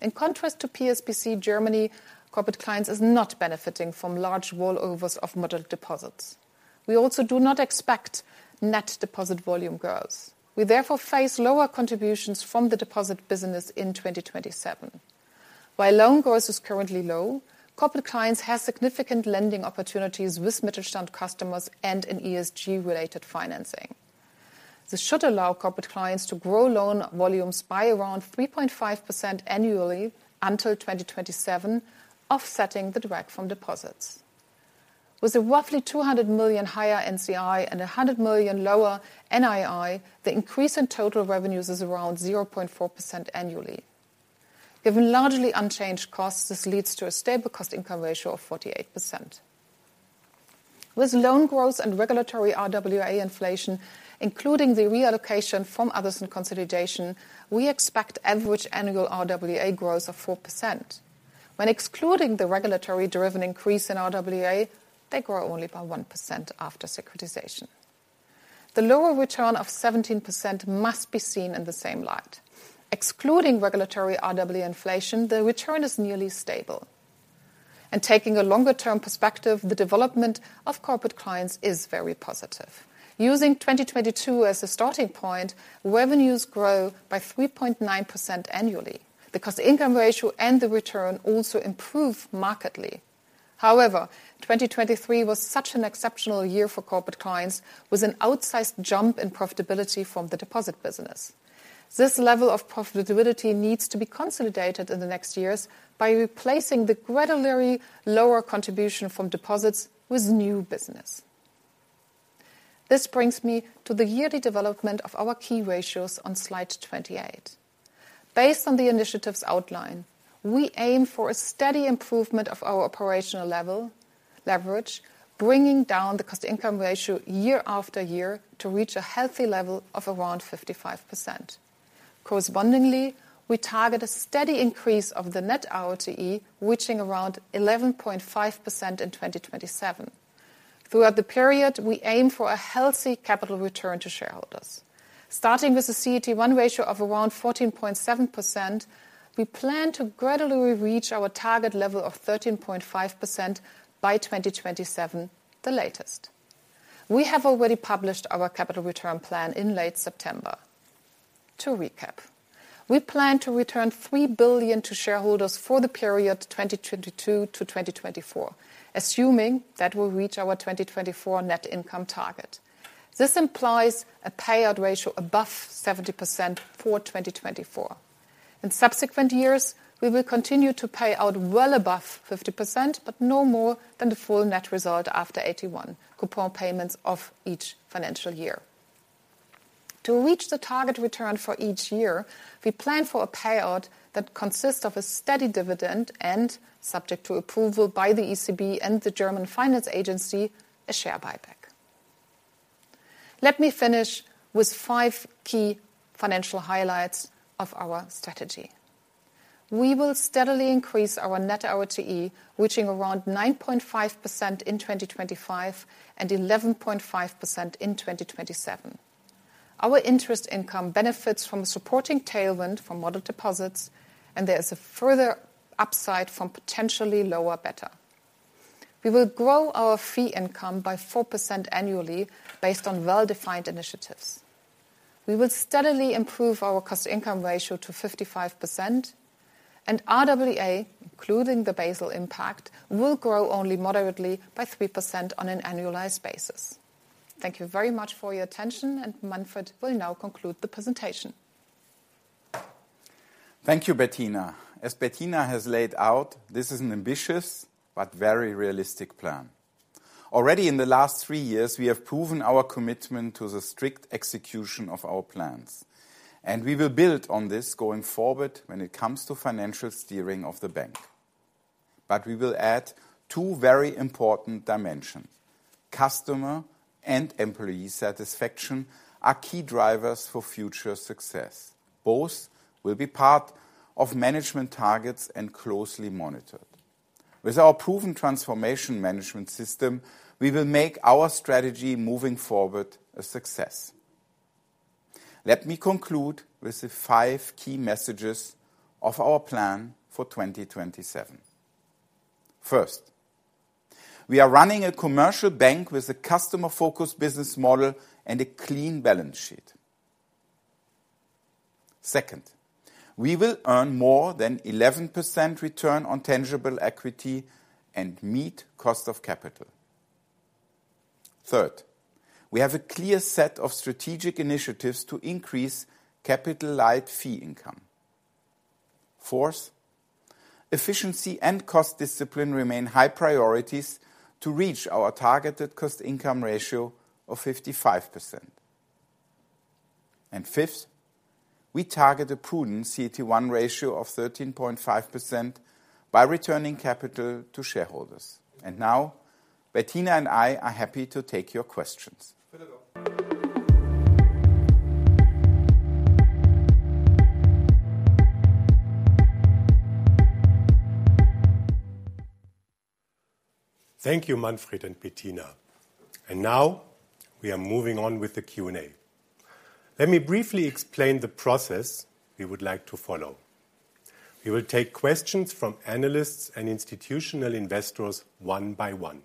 In contrast to PSBC Germany, corporate clients is not benefiting from large rollovers of model deposits. We also do not expect net deposit volume growth. We therefore face lower contributions from the deposit business in 2027. While loan growth is currently low, corporate clients have significant lending opportunities with Mittelstand customers and in ESG-related financing. This should allow corporate clients to grow loan volumes by around 3.5% annually until 2027, offsetting the drag from deposits. With a roughly 200 million higher NCI and a 100 million lower NII, the increase in total revenues is around 0.4% annually. Given largely unchanged costs, this leads to a stable cost-income ratio of 48%. With loan growth and regulatory RWA inflation, including the reallocation from others in consolidation, we expect average annual RWA growth of 4%. When excluding the regulatory-driven increase in RWA, they grow only by 1% after securitization. The lower return of 17% must be seen in the same light. Excluding regulatory RWA inflation, the return is nearly stable. Taking a longer-term perspective, the development of corporate clients is very positive. Using 2022 as a starting point, revenues grow by 3.9% annually because the income ratio and the return also improve markedly. However, 2023 was such an exceptional year for corporate clients, with an outsized jump in profitability from the deposit business. This level of profitability needs to be consolidated in the next years by replacing the gradually lower contribution from deposits with new business. This brings me to the yearly development of our key ratios on slide 28. Based on the initiatives outlined, we aim for a steady improvement of our operational level, leverage, bringing down the cost-income ratio year after year to reach a healthy level of around 55%. Correspondingly, we target a steady increase of the net RoTE, reaching around 11.5% in 2027. Throughout the period, we aim for a healthy capital return to shareholders. Starting with a CET1 ratio of around 14.7%, we plan to gradually reach our target level of 13.5% by 2027, the latest. We have already published our capital return plan in late September. To recap, we plan to return 3 billion to shareholders for the period 2022-2024, assuming that we'll reach our 2024 net income target. This implies a payout ratio above 70% for 2024. In subsequent years, we will continue to pay out well above 50%, but no more than the full net result after 81 coupon payments of each financial year. To reach the target return for each year, we plan for a payout that consists of a steady dividend and, subject to approval by the ECB and the German Finance Agency, a share buyback. Let me finish with five key financial highlights of our strategy. We will steadily increase our net RoTE, reaching around 9.5% in 2025 and 11.5% in 2027... Our interest income benefits from supporting tailwind from model deposits, and there is a further upside from potentially lower beta. We will grow our fee income by 4% annually based on well-defined initiatives. We will steadily improve our cost-income ratio to 55%, and RWA, including the Basel impact, will grow only moderately by 3% on an annualized basis. Thank you very much for your attention, and Manfred will now conclude the presentation. Thank you, Bettina. As Bettina has laid out, this is an ambitious but very realistic plan. Already in the last three years, we have proven our commitment to the strict execution of our plans, and we will build on this going forward when it comes to financial steering of the bank. But we will add two very important dimensions: customer and employee satisfaction are key drivers for future success. Both will be part of management targets and closely monitored. With our proven transformation management system, we will make our strategy moving forward a success. Let me conclude with the five key messages of our plan for 2027. First, we are running a commercial bank with a customer-focused business model and a clean balance sheet. Second, we will earn more than 11% return on tangible equity and meet cost of capital. Third, we have a clear set of strategic initiatives to increase capital-light fee income. Fourth, efficiency and cost discipline remain high priorities to reach our targeted cost-income ratio of 55%. Fifth, we target a prudent CET1 ratio of 13.5% by returning capital to shareholders. Now, Bettina and I are happy to take your questions. Thank you, Manfred and Bettina. Now we are moving on with the Q&A. Let me briefly explain the process we would like to follow. We will take questions from analysts and institutional investors one by one.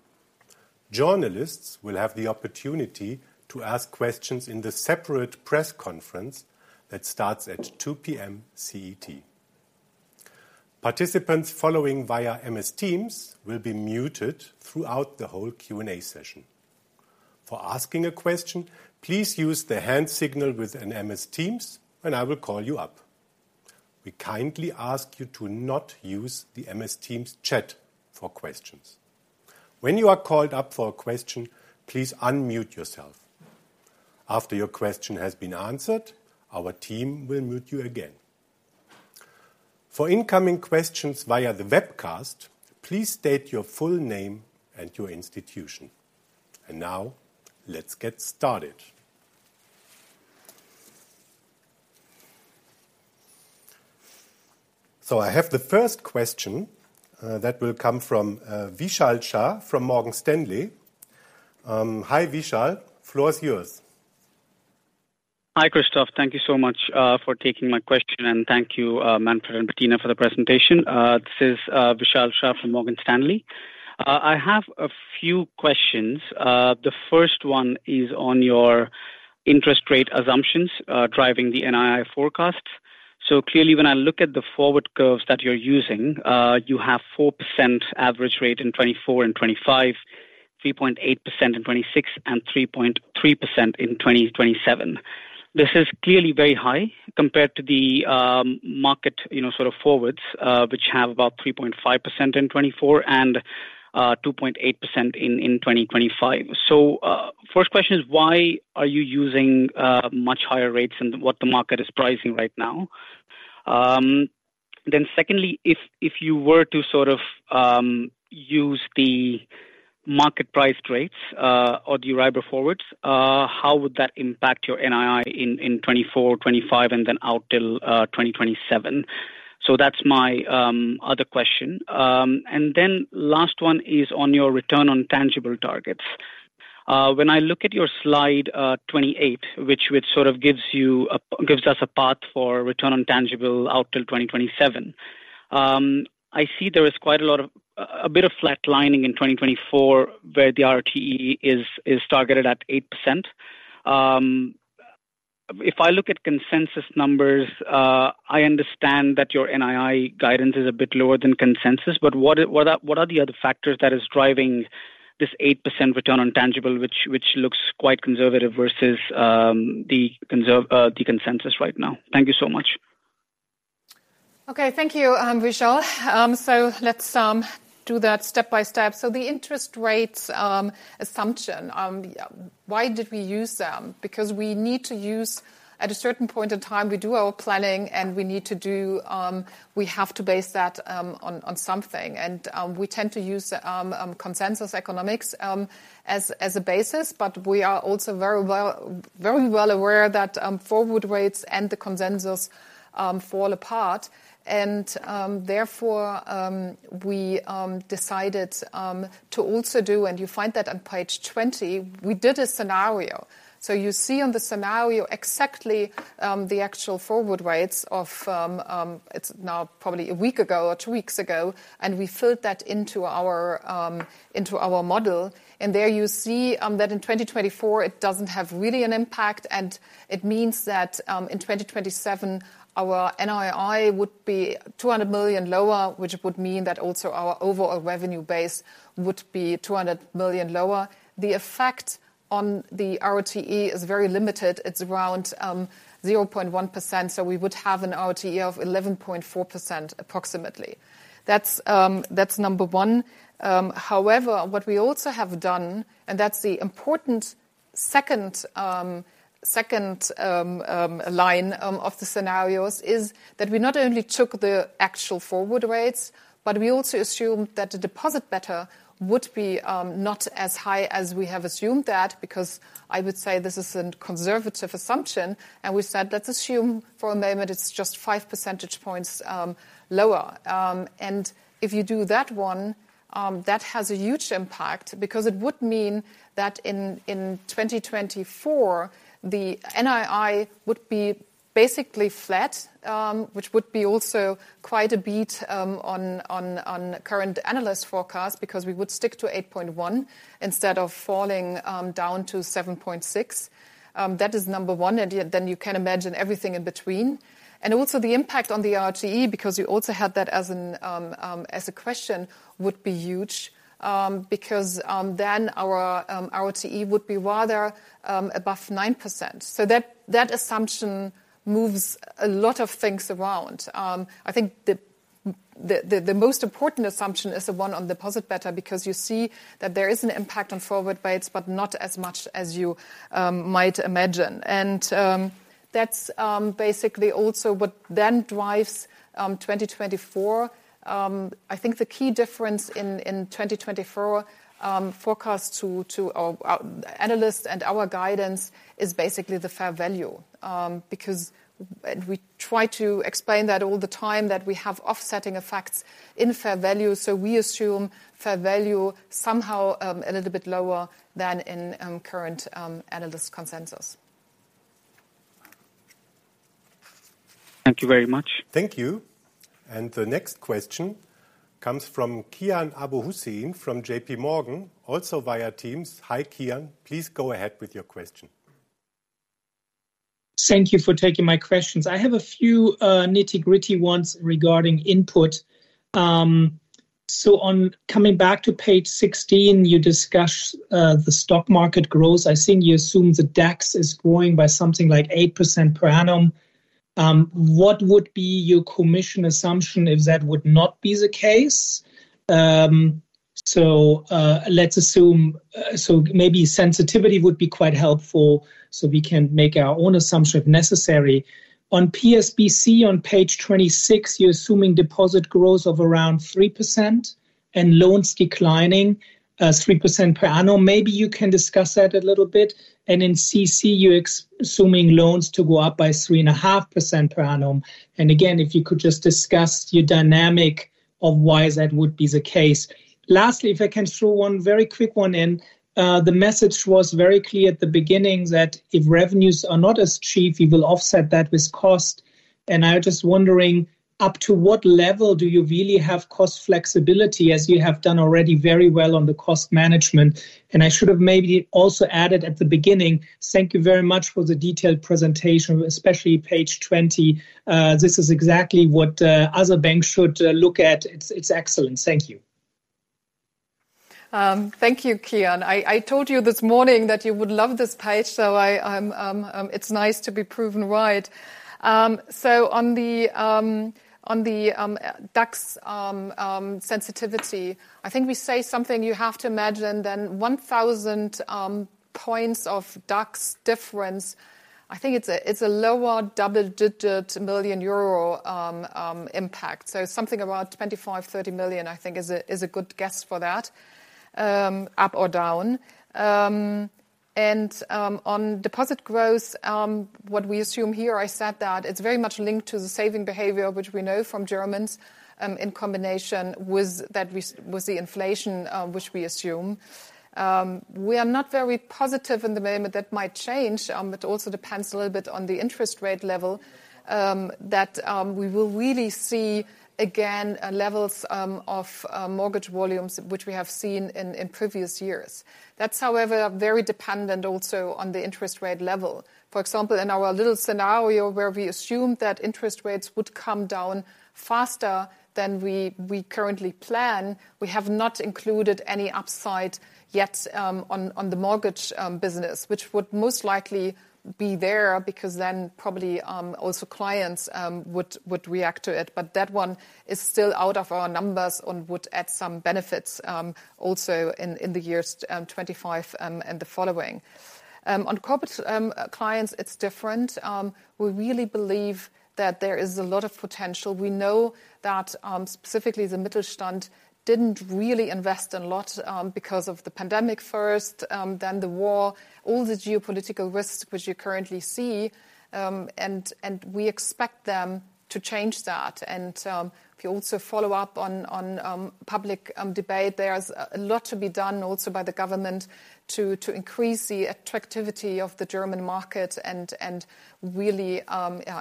Journalists will have the opportunity to ask questions in the separate press conference that starts at 2:00 P.M. CET. Participants following via MS Teams will be muted throughout the whole Q&A session. For asking a question, please use the hand signal within MS Teams, and I will call you up. We kindly ask you to not use the MS Teams chat for questions. When you are called up for a question, please unmute yourself. After your question has been answered, our team will mute you again. For incoming questions via the webcast, please state your full name and your institution. Now let's get started. So I have the first question that will come from Vishal Shah from Morgan Stanley. Hi, Vishal. Floor is yours. Hi, Christoph. Thank you so much for taking my question, and thank you, Manfred and Bettina, for the presentation. This is Vishal Shah from Morgan Stanley. I have a few questions. The first one is on your interest rate assumptions driving the NII forecasts. So clearly, when I look at the forward curves that you're using, you have 4% average rate in 2024 and 2025, 3.8% in 2026, and 3.3% in 2027. This is clearly very high compared to the market, you know, sort of forwards, which have about 3.5% in 2024 and 2.8% in 2025. So first question is, why are you using much higher rates than what the market is pricing right now? Then secondly, if you were to sort of use the market price rates or the EURIBOR forwards, how would that impact your NII in 2024, 2025, and then out till 2027? So that's my other question. And then last one is on your RoTE targets. When I look at your slide 28, which sort of gives us a path for RoTE out till 2027, I see there is quite a lot of a bit of flat lining in 2024, where the RoTE is targeted at 8%. If I look at consensus numbers, I understand that your NII guidance is a bit lower than consensus, but what are the other factors that is driving this 8% return on tangible, which looks quite conservative versus the consensus right now? Thank you so much.... Okay, thank you, Vishal. So let's do that step by step. So the interest rates assumption, why did we use them? Because we need to use at a certain point in time, we do our planning, and we need to do. We have to base that on something. And we tend to use Consensus Economics as a basis, but we are also very well aware that forward rates and the consensus fall apart. And therefore we decided to also do, and you find that on page 20, we did a scenario. So you see on the scenario exactly the actual forward rates of, it's now probably a week ago or two weeks ago, and we filled that into our model. There you see that in 2024, it doesn't have really an impact, and it means that in 2027, our NII would be 200 million lower, which would mean that also our overall revenue base would be 200 million lower. The effect on the RoTE is very limited. It's around 0.1%, so we would have an RoTE of 11.4%, approximately. That's number one. However, what we also have done, and that's the important second line of the scenarios, is that we not only took the actual forward rates, but we also assumed that the deposit beta would be not as high as we have assumed that, because I would say this is a conservative assumption. We said, "Let's assume for a moment it's just 5 percentage points lower." And if you do that one, that has a huge impact because it would mean that in 2024, the NII would be basically flat, which would be also quite a beat on current analyst forecast, because we would stick to 8.1 instead of falling down to 7.6. That is number one, and yet then you can imagine everything in between. And also the impact on the RoTE, because you also had that as a question, would be huge, because then our RoTE would be rather above 9%. So that, that assumption moves a lot of things around. I think the most important assumption is the one on deposit beta, because you see that there is an impact on forward rates, but not as much as you might imagine. And that's basically also what then drives 2024. I think the key difference in 2024 forecast to analysts and our guidance is basically the fair value. Because we try to explain that all the time, that we have offsetting effects in fair value, so we assume fair value somehow a little bit lower than in current analyst consensus. Thank you very much. Thank you. The next question comes from Kian Abouhossein from JPMorgan, also via Teams. Hi, Kian. Please go ahead with your question. Thank you for taking my questions. I have a few nitty-gritty ones regarding input. Coming back to page 16, you discuss the stock market growth. I think you assume the DAX is growing by something like 8% per annum. What would be your commission assumption if that would not be the case? So maybe sensitivity would be quite helpful, so we can make our own assumption if necessary. On PSBC, on page 26, you're assuming deposit growth of around 3% and loans declining 3% per annum. Maybe you can discuss that a little bit. And in CC, you're assuming loans to go up by 3.5% per annum. And again, if you could just discuss your dynamic of why that would be the case. Lastly, if I can throw one very quick one in. The message was very clear at the beginning that if revenues are not as cheap, you will offset that with cost. And I was just wondering, up to what level do you really have cost flexibility, as you have done already very well on the cost management? And I should have maybe also added at the beginning, thank you very much for the detailed presentation, especially page 20. This is exactly what other banks should look at. It's excellent. Thank you. Thank you, Kian. I told you this morning that you would love this page, so I'm, it's nice to be proven right. So on the DAX sensitivity, I think we say something you have to imagine then 1,000 points of DAX difference. I think it's a lower double-digit million EUR impact. So something about 25 million-30 million, I think is a good guess for that, up or down. And on deposit growth, what we assume here, I said that it's very much linked to the saving behavior, which we know from Germans, in combination with the inflation, which we assume. We are not very positive in the moment, that might change. It also depends a little bit on the interest rate level that we will really see, again, levels of mortgage volumes which we have seen in previous years. That's however very dependent also on the interest rate level. For example, in our little scenario, where we assumed that interest rates would come down faster than we currently plan, we have not included any upside yet on the mortgage business. Which would most likely be there, because then probably also clients would react to it. But that one is still out of our numbers and would add some benefits also in the years 25 and the following. On corporate clients, it's different. We really believe that there is a lot of potential. We know that, specifically the Mittelstand didn't really invest a lot, because of the pandemic first, then the war, all the geopolitical risks which you currently see. And, and we expect them to change that. And, if you also follow up on on public debate, there's a lot to be done also by the government to to increase the attractivity of the German market and, and really,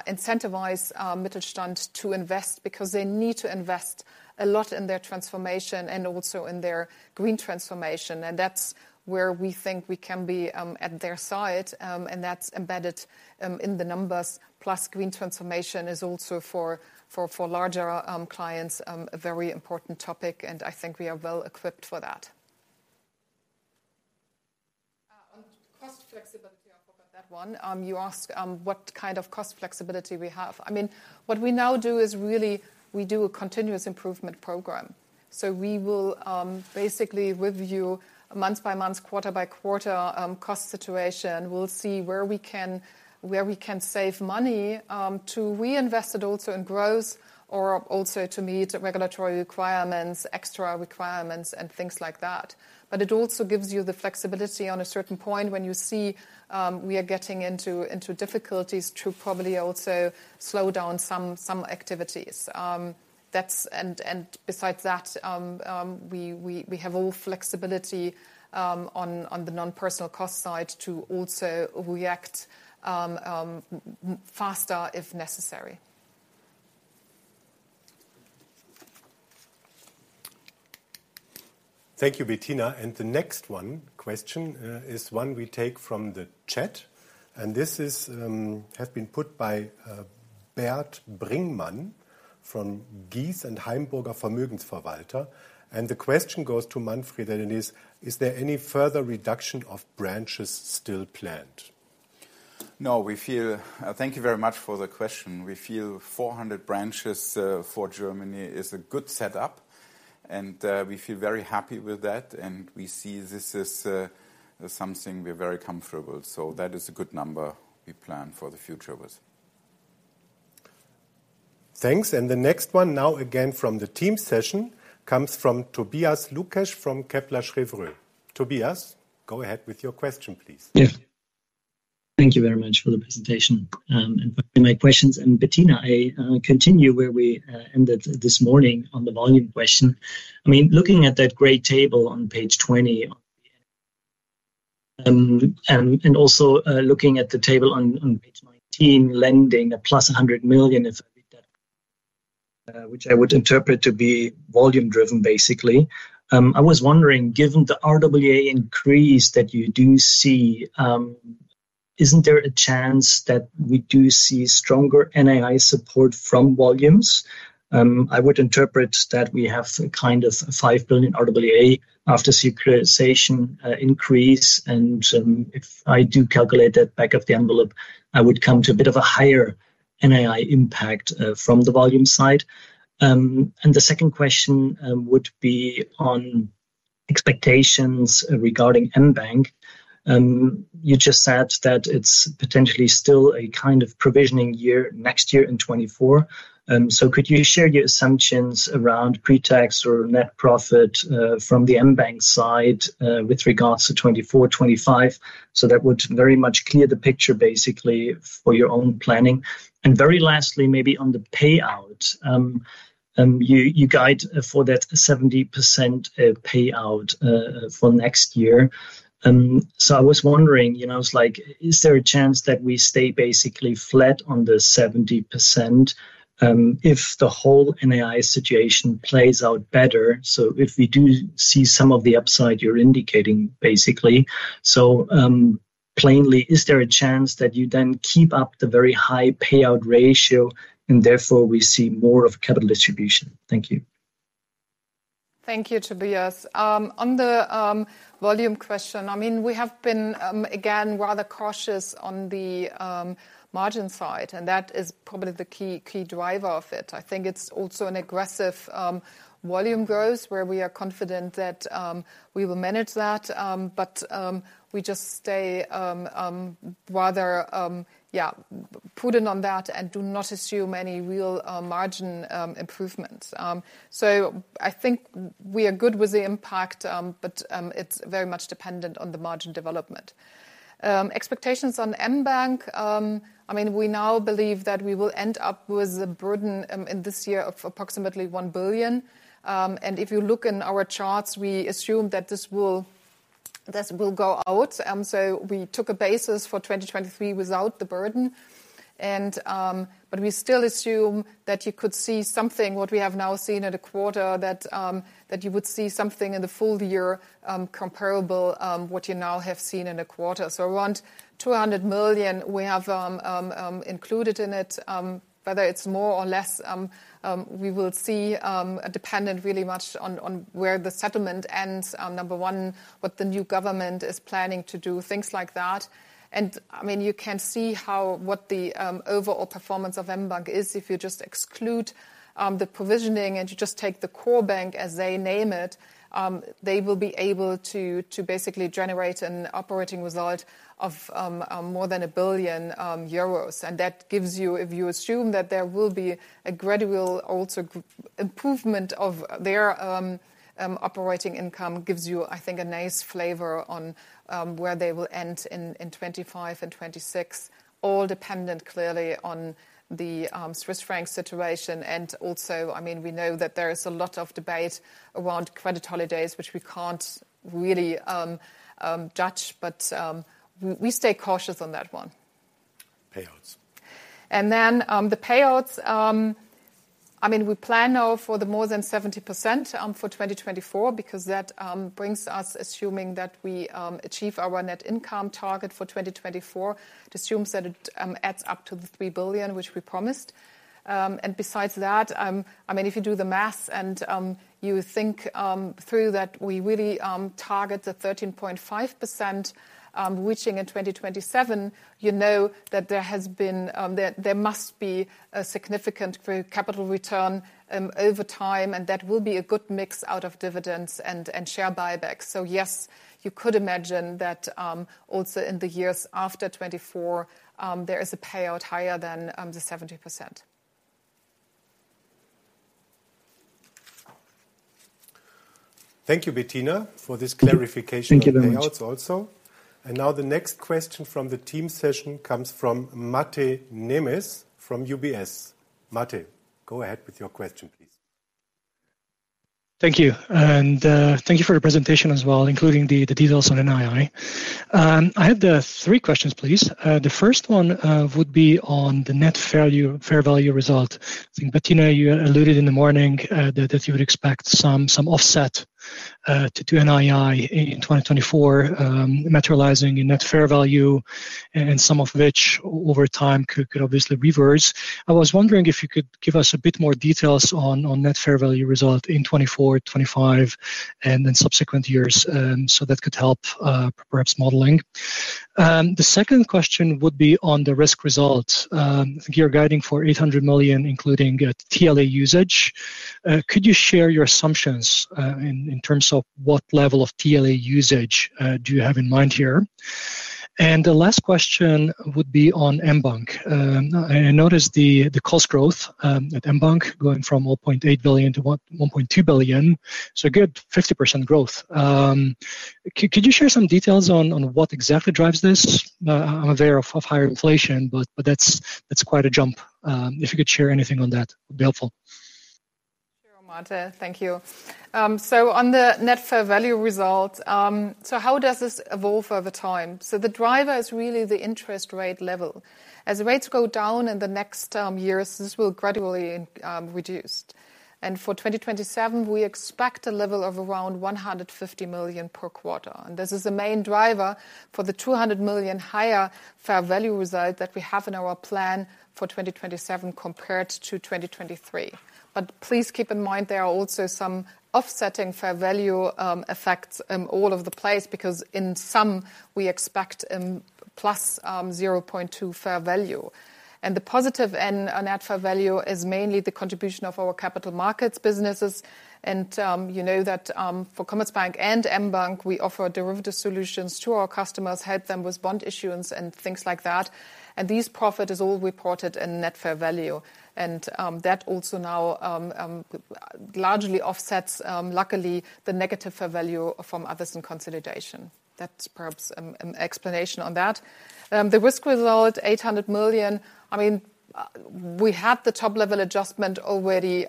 incentivize our Mittelstand to invest, because they need to invest a lot in their transformation and also in their green transformation. And that's where we think we can be, at their side, and that's embedded, in the numbers. Plus, green transformation is also for larger clients a very important topic, and I think we are well equipped for that. On cost flexibility, I forgot that one. You ask what kind of cost flexibility we have. I mean, what we now do is really we do a continuous improvement program. So we will basically review month by month, quarter-by-quarter, cost situation. We'll see where we can save money to reinvest it also in growth or also to meet regulatory requirements, extra requirements, and things like that. But it also gives you the flexibility on a certain point when you see we are getting into difficulties to probably also slow down some activities. That's... And besides that, we have all flexibility on the non-personal cost side to also react faster if necessary. Thank you, Bettina. The next one question is one we take from the chat, and this has been put by Bert Bringmann from Gies & Heimburger Vermögensverwalter. The question goes to Manfred, and it is: Is there any further reduction of branches still planned? No, we feel... Thank you very much for the question. We feel 400 branches for Germany is a good setup, and we feel very happy with that, and we see this as something we're very comfortable. So that is a good number we plan for the future with. Thanks. The next one, now again from the team session, comes from Tobias Lukesch from Kepler Cheuvreux. Tobias, go ahead with your question, please. Yeah. Thank you very much for the presentation and for my questions. And Bettina, I continue where we ended this morning on the volume question. I mean, looking at that great table on page 20, and also looking at the table on page 19, lending plus 100 million, if I read that, which I would interpret to be volume driven, basically. I was wondering, given the RWA increase that you do see, isn't there a chance that we do see stronger NII support from volumes? I would interpret that we have a kind of 5 billion RWA after securitization increase, and if I do calculate that back of the envelope, I would come to a bit of a higher NII impact from the volume side. And the second question would be on expectations regarding mBank. You just said that it's potentially still a kind of provisioning year next year in 2024. So could you share your assumptions around pre-tax or net profit from the mBank side with regards to 2024, 2025? That would very much clear the picture, basically, for your own planning. And very lastly, maybe on the payout, you guide for that 70% payout for next year. So I was wondering, you know, it's like, is there a chance that we stay basically flat on the 70% if the whole NII situation plays out better? So if we do see some of the upside you're indicating, basically. Plainly, is there a chance that you then keep up the very high payout ratio and therefore we see more of capital distribution? Thank you. Thank you, Tobias. On the volume question, I mean, we have been again rather cautious on the margin side, and that is probably the key, key driver of it. I think it's also an aggressive volume growth where we are confident that we will manage that. But we just stay rather yeah prudent on that and do not assume any real margin improvements. So I think we are good with the impact, but it's very much dependent on the margin development. Expectations on mBank, I mean, we now believe that we will end up with a burden in this year of approximately 1 billion. And if you look in our charts, we assume that this will, this will go out. So we took a basis for 2023 without the burden. But we still assume that you could see something, what we have now seen at a quarter, that you would see something in the full year, comparable, what you now have seen in a quarter. So around 200 million we have included in it. Whether it's more or less, we will see, dependent really much on where the settlement ends. On number one, what the new government is planning to do, things like that. And I mean, you can see how, what the overall performance of mBank is. If you just exclude the provisioning, and you just take the core bank, as they name it, they will be able to basically generate an operating result of more than 1 billion euros. And that gives you... If you assume that there will be a gradual also improvement of their operating income, gives you, I think, a nice flavor on where they will end in 2025 and 2026. All dependent clearly on the Swiss franc situation. And also, I mean, we know that there is a lot of debate around credit holidays, which we can't really judge, but we stay cautious on that one. Payouts. Then, the payouts, I mean, we plan now for more than 70%, for 2024, because that brings us, assuming that we achieve our net income target for 2024. It assumes that it adds up to the 3 billion, which we promised. And besides that, I mean, if you do the math and you think through that, we really target the 13.5%, reaching in 2027. You know that there has been that there must be a significant capital return over time, and that will be a good mix out of dividends and share buybacks. So yes, you could imagine that also in the years after 2024, there is a payout higher than the 70%. Thank you, Bettina, for this clarification. Thank you very much. ... on payouts also. And now the next question from the team session comes from Máté Nemes, from UBS. Máté, go ahead with your question, please. Thank you, and thank you for your presentation as well, including the details on NII. I have the three questions, please. The first one would be on the net fair value result. Bettina, you alluded in the morning that you would expect some offset to NII in 2024, materializing in net fair value, and some of which, over time, could obviously reverse. I was wondering if you could give us a bit more details on net fair value result in 2024, 2025, and then subsequent years, so that could help perhaps modeling. The second question would be on the risk results. You're guiding for 800 million, including TLA usage. Could you share your assumptions in terms of what level of TLA usage do you have in mind here? The last question would be on mBank. I noticed the cost growth at mBank going from 1.8 billion to 1.2 billion, so a good 50% growth. Could you share some details on what exactly drives this? I'm aware of higher inflation, but that's quite a jump. If you could share anything on that, would be helpful. Sure, Máté. Thank you. So on the net fair value result, so how does this evolve over time? So the driver is really the interest rate level. As the rates go down in the next years, this will gradually reduced. And for 2027, we expect a level of around 150 million per quarter. And this is the main driver for the 200 million higher fair value result that we have in our plan for 2027 compared to 2023. But please keep in mind there are also some offsetting fair value effects all over the place, because in some we expect plus 0.2 fair value. And the positive and a net fair value is mainly the contribution of our capital markets businesses. You know that, for Commerzbank and mBank, we offer derivative solutions to our customers, help them with bond issuance and things like that, and these profit is all reported in net fair value. That also now largely offsets, luckily, the negative fair value from others in consolidation. That's perhaps an explanation on that. The risk result, 800 million, I mean, we had the top-level adjustment already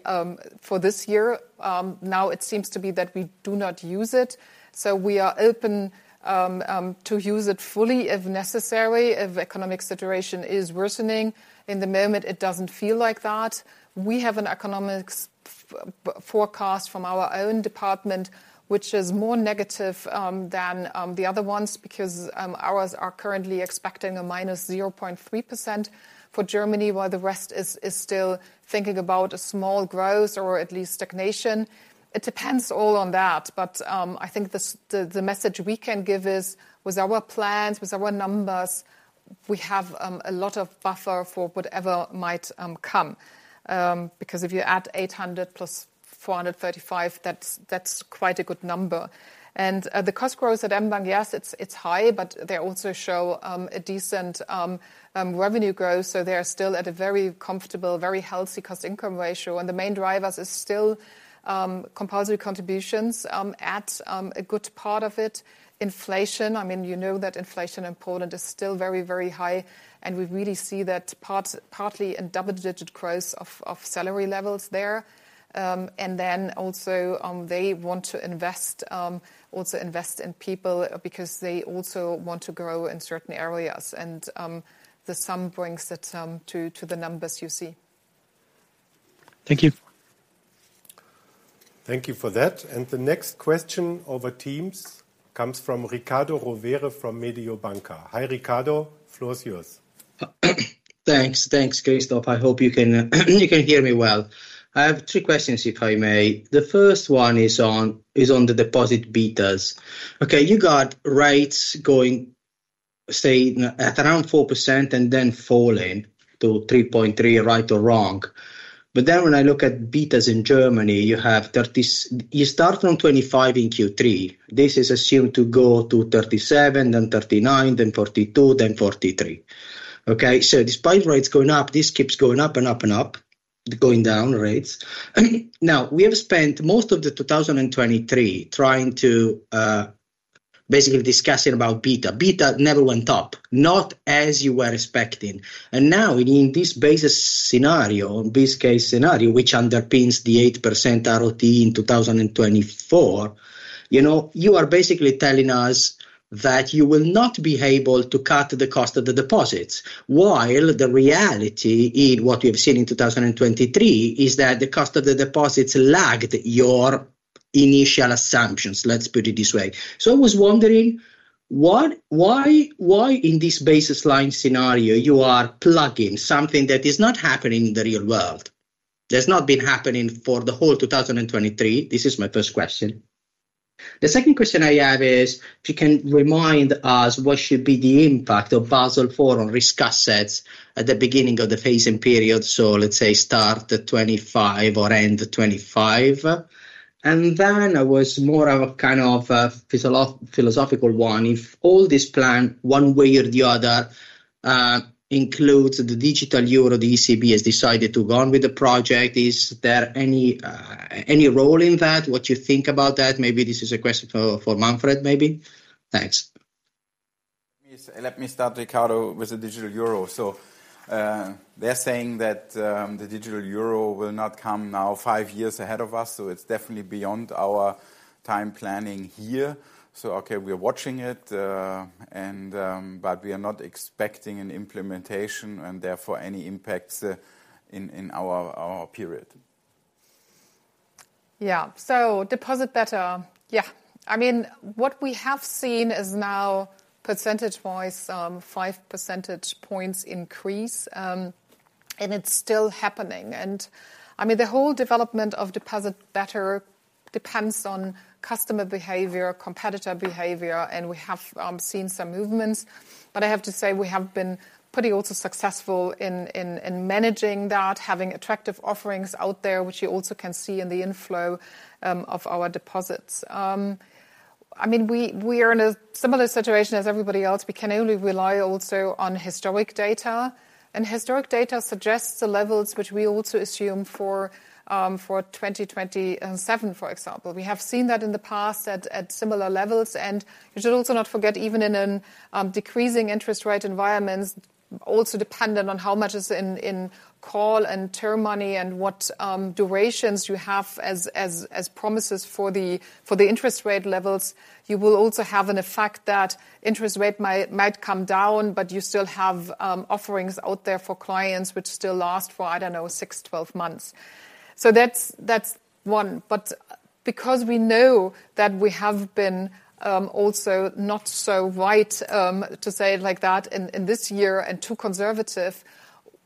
for this year. Now it seems to be that we do not use it, so we are open to use it fully if necessary, if economic situation is worsening. In the moment, it doesn't feel like that. We have an economics forecast from our own department, which is more negative than the other ones, because ours are currently expecting a -0.3% for Germany, while the rest is still thinking about a small growth or at least stagnation. It depends all on that, but I think the message we can give is, with our plans, with our numbers, we have a lot of buffer for whatever might come. Because if you add 800 + 435, that's quite a good number. And the cost growth at mBank, yes, it's high, but they also show a decent revenue growth, so they are still at a very comfortable, very healthy cost-income ratio. The main drivers is still compulsory contributions at a good part of it. Inflation, I mean, you know that inflation in Poland is still very, very high, and we really see that partly in double-digit growth of salary levels there. And then also, they want to invest, also invest in people because they also want to grow in certain areas and the sum brings it to the numbers you see. Thank you. ... Thank you for that. And the next question over Teams comes from Riccardo Rovere from Mediobanca. Hi, Riccardo, floor is yours. Thanks. Thanks, Christoph. I hope you can, you can hear me well. I have three questions, if I may. The first one is on, is on the deposit betas. Okay, you got rates going, staying at around 4% and then falling to 3.3, right or wrong? But then when I look at betas in Germany, you have 30s – you start from 25 in Q3. This is assumed to go to 37, then 39, then 42, then 43, okay? So despite rates going up, this keeps going up and up and up. Going down, rates. Now, we have spent most of the 2023 trying to, basically discussing about beta. Beta never went up, not as you were expecting. Now in this base case scenario, which underpins the 8% RoTE in 2024, you know, you are basically telling us that you will not be able to cut the cost of the deposits, while the reality in what we've seen in 2023 is that the cost of the deposits lagged your initial assumptions. Let's put it this way. So I was wondering, what... why, why in this baseline scenario, you are plugging something that is not happening in the real world? That's not been happening for the whole 2023. This is my first question. The second question I have is, if you can remind us what should be the impact of Basel IV on risk assets at the beginning of the phasing period, so let's say start at 2025 or end 2025. And then I was more of a kind of a philosophical one: If all this plan, one way or the other, includes the digital euro, the ECB has decided to go on with the project, is there any role in that? What you think about that? Maybe this is a question for Manfred, maybe. Thanks. Let me start, Riccardo, with the digital euro. They're saying that the digital euro will not come now five years ahead of us, so it's definitely beyond our time planning here. Okay, we are watching it, but we are not expecting an implementation, and therefore, any impacts in our period. Yeah. So deposit beta, yeah. I mean, what we have seen is now percentage-wise, 5 percentage points increase, and it's still happening. And I mean, the whole development of deposit beta depends on customer behavior, competitor behavior, and we have seen some movements. But I have to say, we have been pretty also successful in managing that, having attractive offerings out there, which you also can see in the inflow of our deposits. I mean, we are in a similar situation as everybody else. We can only rely also on historic data, and historic data suggests the levels which we also assume for 2027, for example. We have seen that in the past at similar levels. And you should also not forget, even in a decreasing interest rate environment, also dependent on how much is in call and term money and what durations you have as promises for the interest rate levels. You will also have an effect that interest rate might come down, but you still have offerings out there for clients, which still last for, I don't know, six-12 months. So that's one. But because we know that we have been also not so right, to say it like that in this year and too conservative,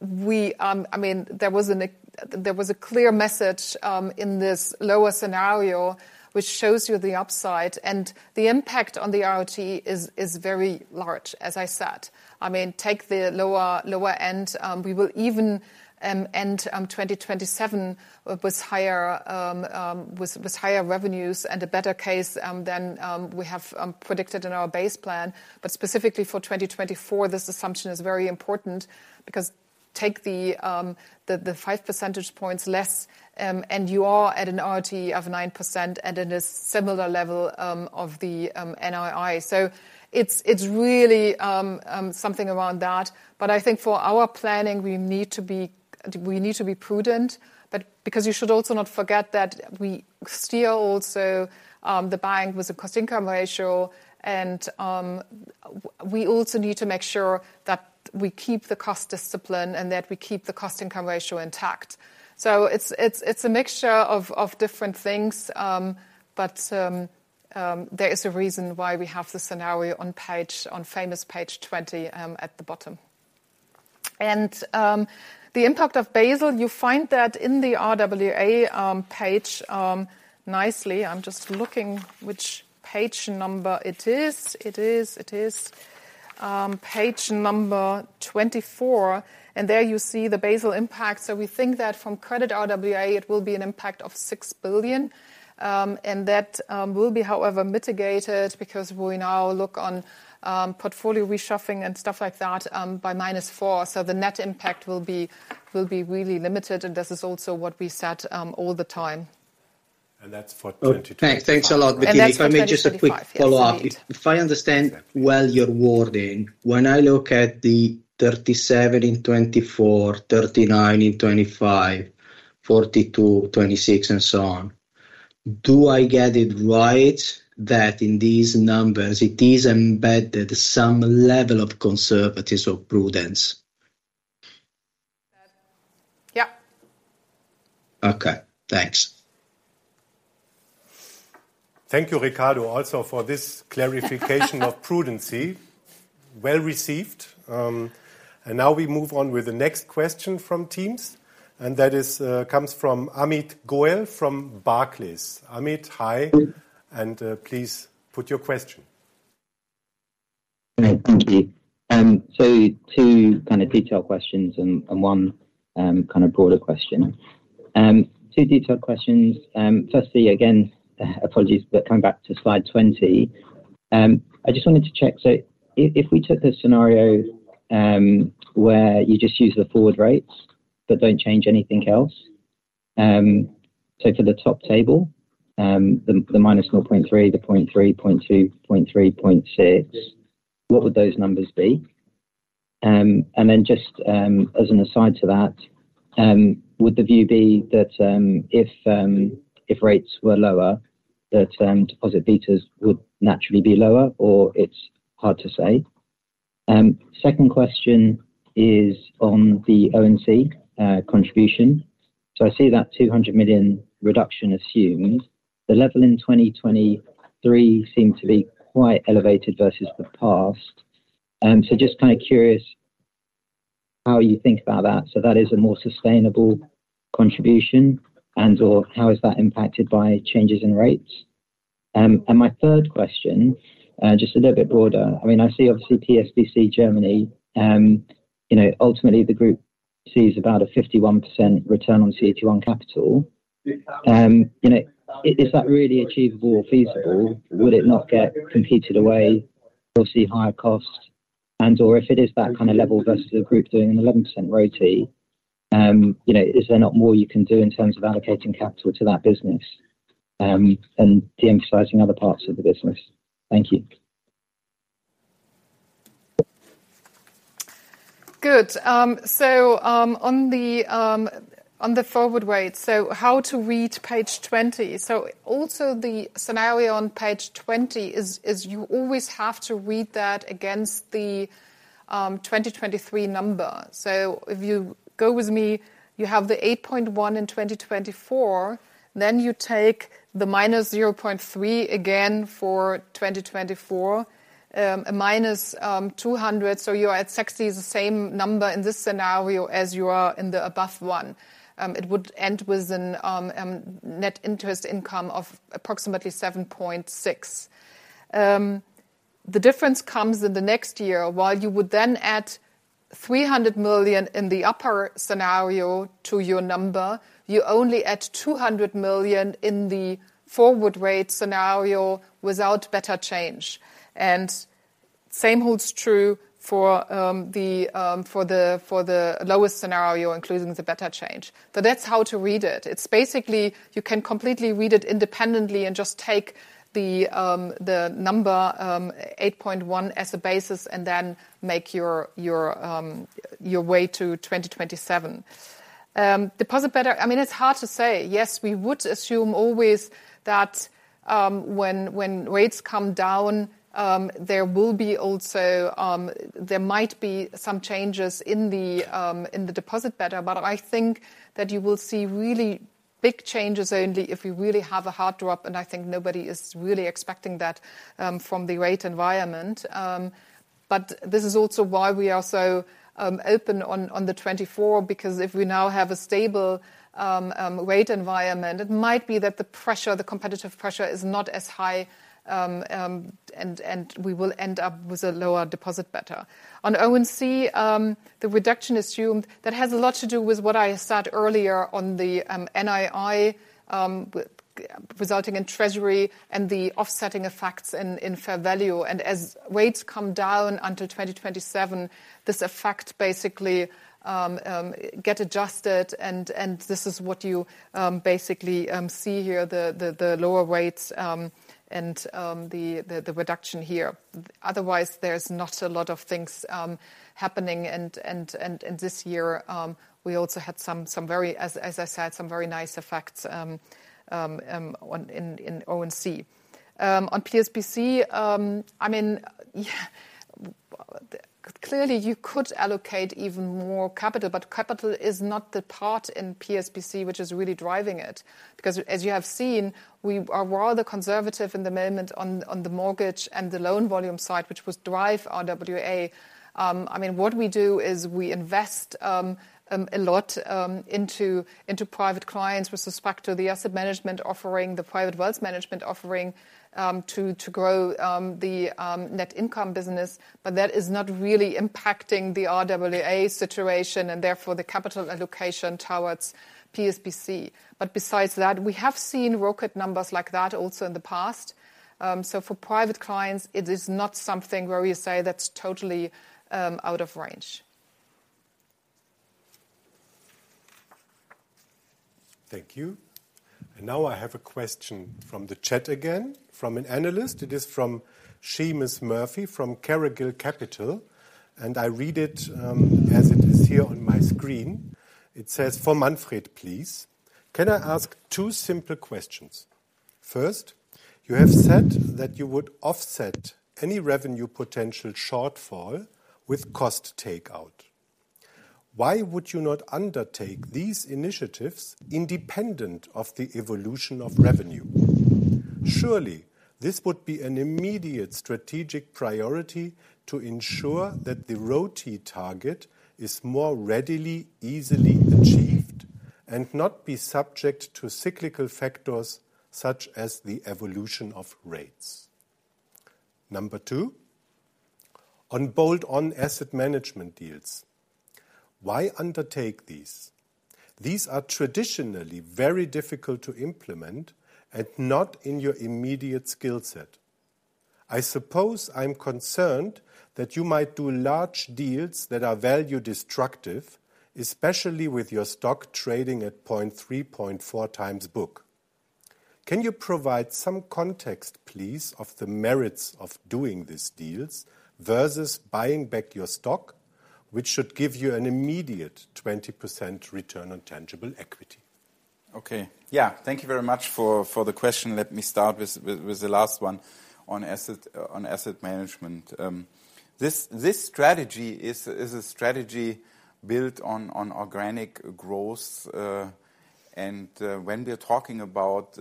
we... I mean, there was a clear message in this lower scenario, which shows you the upside. And the impact on the RoTE is very large, as I said. I mean, take the lower, lower end, we will even end 2027 with higher, with higher revenues and a better case than we have predicted in our base plan. But specifically for 2024, this assumption is very important, because take the the 5 percentage points less, and you are at an RoTE of 9% and at a similar level of the NII. So it's really something around that. But I think for our planning, we need to be prudent. But because you should also not forget that we still also the bank was a cost-income ratio, and we also need to make sure that we keep the cost discipline and that we keep the cost-income ratio intact. So it's a mixture of different things, but there is a reason why we have the scenario on page, on famous page 20, at the bottom. And the impact of Basel, you find that in the RWA, page, nicely. I'm just looking which page number it is. It is page number 24, and there you see the Basel impact. So we think that from credit RWA, it will be an impact of 6 billion, and that will be, however, mitigated because we now look on portfolio reshuffling and stuff like that, by minus 4 billion. So the net impact will be really limited, and this is also what we said all the time. That's for 2025. Thanks. Thanks a lot, Bettina. That's for 2025, yes. If I may just a quick follow-up. If I understand well your wording, when I look at the 37 in 2024, 39 in 2025, 42 in 2026, and so on, do I get it right that in these numbers, it is embedded some level of conservatism or prudence?... Yeah. Okay, thanks. Thank you, Riccardo, also for this clarification of prudence. Well received. Now we move on with the next question from teams, and that is, comes from Amit Goel from Barclays. Amit, hi, and please put your question. Great, thank you. So two kind of detailed questions and one kind of broader question. Two detailed questions. Firstly, again, apologies, but coming back to slide 20, I just wanted to check: So if we took a scenario where you just use the forward rates but don't change anything else, so for the top table, the -0.3, the 0.3, 0.2, 0.3, 0.6, what would those numbers be? And then just, as an aside to that, would the view be that if rates were lower that deposit betas would naturally be lower, or it's hard to say? Second question is on the O&C contribution. So I see that 200 million reduction assumed. The level in 2023 seemed to be quite elevated versus the past. So just kind of curious how you think about that. So that is a more sustainable contribution and/or how is that impacted by changes in rates? And my third question, just a little bit broader. I mean, I see obviously PSBC, Germany, you know, ultimately the group sees about a 51% return on CET1 capital. You know, is that really achievable or feasible? Would it not get competed away or see higher costs? And/or if it is that kind of level versus the group doing an 11% RoTE, you know, is there not more you can do in terms of allocating capital to that business, and de-emphasizing other parts of the business? Thank you. Good. So, on the forward rate, so how to read page 20. So also the scenario on page 20 is you always have to read that against the 2023 number. So if you go with me, you have the 8.1 in 2024, then you take the -0.3 again for 2024, -200, so you're at 60, the same number in this scenario as you are in the above one. It would end with a net interest income of approximately 7.6. The difference comes in the next year. While you would then add 300 million in the upper scenario to your number, you only add 200 million in the forward rate scenario without better change. Same holds true for the lowest scenario, including the better change. So that's how to read it. It's basically you can completely read it independently and just take the number 8.1 as a basis and then make your way to 2027. Deposit beta... I mean, it's hard to say. Yes, we would assume always that when rates come down there will be also... There might be some changes in the deposit beta, but I think that you will see really big changes only if we really have a hard drop, and I think nobody is really expecting that from the rate environment. But this is also why we are so open on 2024, because if we now have a stable rate environment, it might be that the pressure, the competitive pressure is not as high, and we will end up with a lower deposit beta. On OCI, the reduction assumed, that has a lot to do with what I said earlier on the NII resulting in treasury and the offsetting effects in fair value. And as rates come down until 2027, this effect basically get adjusted, and this is what you basically see here, the lower rates and the reduction here. Otherwise, there's not a lot of things happening, and this year we also had some very nice effects, as I said, on income. On PSBC, I mean, yeah, clearly you could allocate even more capital, but capital is not the part in PSBC which is really driving it. Because as you have seen, we are rather conservative in the moment on the mortgage and the loan volume side, which drives RWA. I mean, what we do is we invest a lot into private clients with respect to the asset management offering, the private wealth management offering, to grow the net income business, but that is not really impacting the RWA situation and therefore the capital allocation towards PSBC. Besides that, we have seen rocket numbers like that also in the past. For private clients, it is not something where we say that's totally out of range. Thank you. And now I have a question from the chat again, from an analyst. It is from Seamus Murphy, from Carraighill Capital, and I read it as it is here on my screen. It says, "For Manfred, please, can I ask two simple questions? First, you have said that you would offset any revenue potential shortfall with cost takeout. Why would you not undertake these initiatives independent of the evolution of revenue? Surely, this would be an immediate strategic priority to ensure that the RoTE target is more readily, easily achieved, and not be subject to cyclical factors such as the evolution of rates. Number two, on bolt-on asset management deals, why undertake these? These are traditionally very difficult to implement and not in your immediate skill set. I suppose I'm concerned that you might do large deals that are value destructive, especially with your stock trading at 0.3x-0.4x book. Can you provide some context, please, of the merits of doing these deals versus buying back your stock, which should give you an immediate 20% return on tangible equity? Okay. Yeah, thank you very much for the question. Let me start with the last one on asset management. This strategy is a strategy built on organic growth. And when we are talking about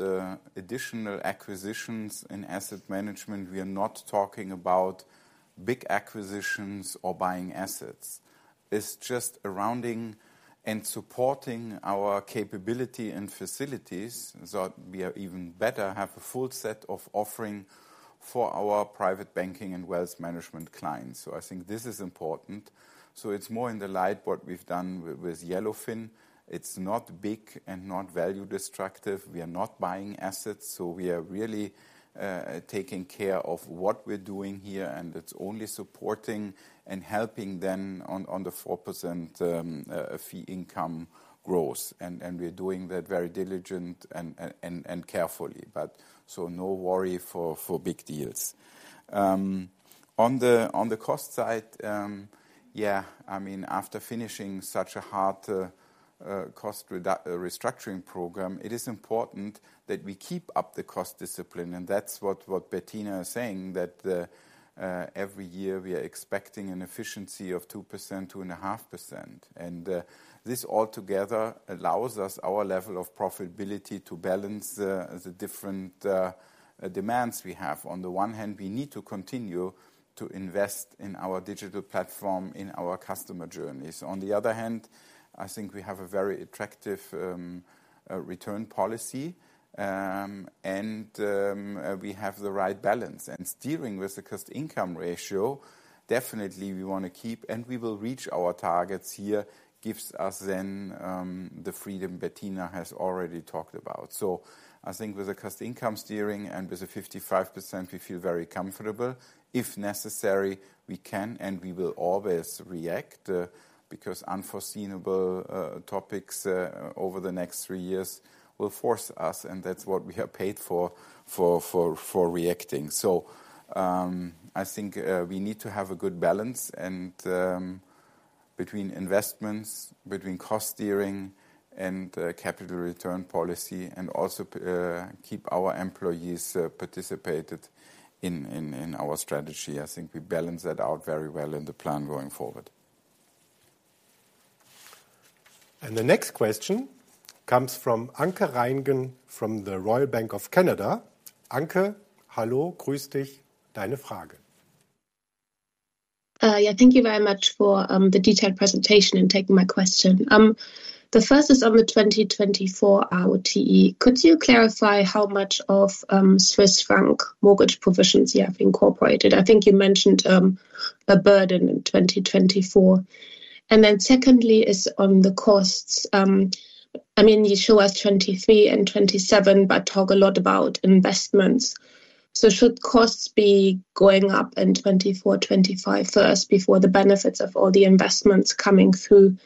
additional acquisitions in asset management, we are not talking about big acquisitions or buying assets. It's just rounding and supporting our capability and facilities so we are even better have a full set of offering for our private banking and wealth management clients. So I think this is important. So it's more in the light what we've done with Yellowfin. It's not big and not value destructive. We are not buying assets, so we are really taking care of what we're doing here, and it's only supporting and helping them on the 4% fee income growth. We're doing that very diligently and carefully, but no worry for big deals. On the cost side, yeah, I mean, after finishing such a hard cost restructuring program, it is important that we keep up the cost discipline. And that's what Bettina is saying, that every year we are expecting an efficiency of 2%, 2.5%. And this altogether allows us our level of profitability to balance the different demands we have. On the one hand, we need to continue to invest in our digital platform, in our customer journeys. On the other hand, I think we have a very attractive return policy, and we have the right balance. Steering with the cost-income ratio, definitely we want to keep, and we will reach our targets here, gives us then the freedom Bettina has already talked about. So I think with the cost-income steering and with the 55%, we feel very comfortable. If necessary, we can and we will always react, because unforeseeable topics over the next three years will force us, and that's what we are paid for reacting. So I think we need to have a good balance and between investments, between cost steering and capital return policy, and also keep our employees participated in our strategy. I think we balance that out very well in the plan going forward. The next question comes from Anke Reingen from the Royal Bank of Canada. Anke, hello. Yeah, thank you very much for the detailed presentation and taking my question. The first is on the 2024 RoTE. Could you clarify how much of Swiss franc mortgage provisions you have incorporated? I think you mentioned a burden in 2024. And then secondly is on the costs. I mean, you show us 2023 and 2027, but talk a lot about investments. So should costs be going up in 2024, 2025 first, before the benefits of all the investments coming through?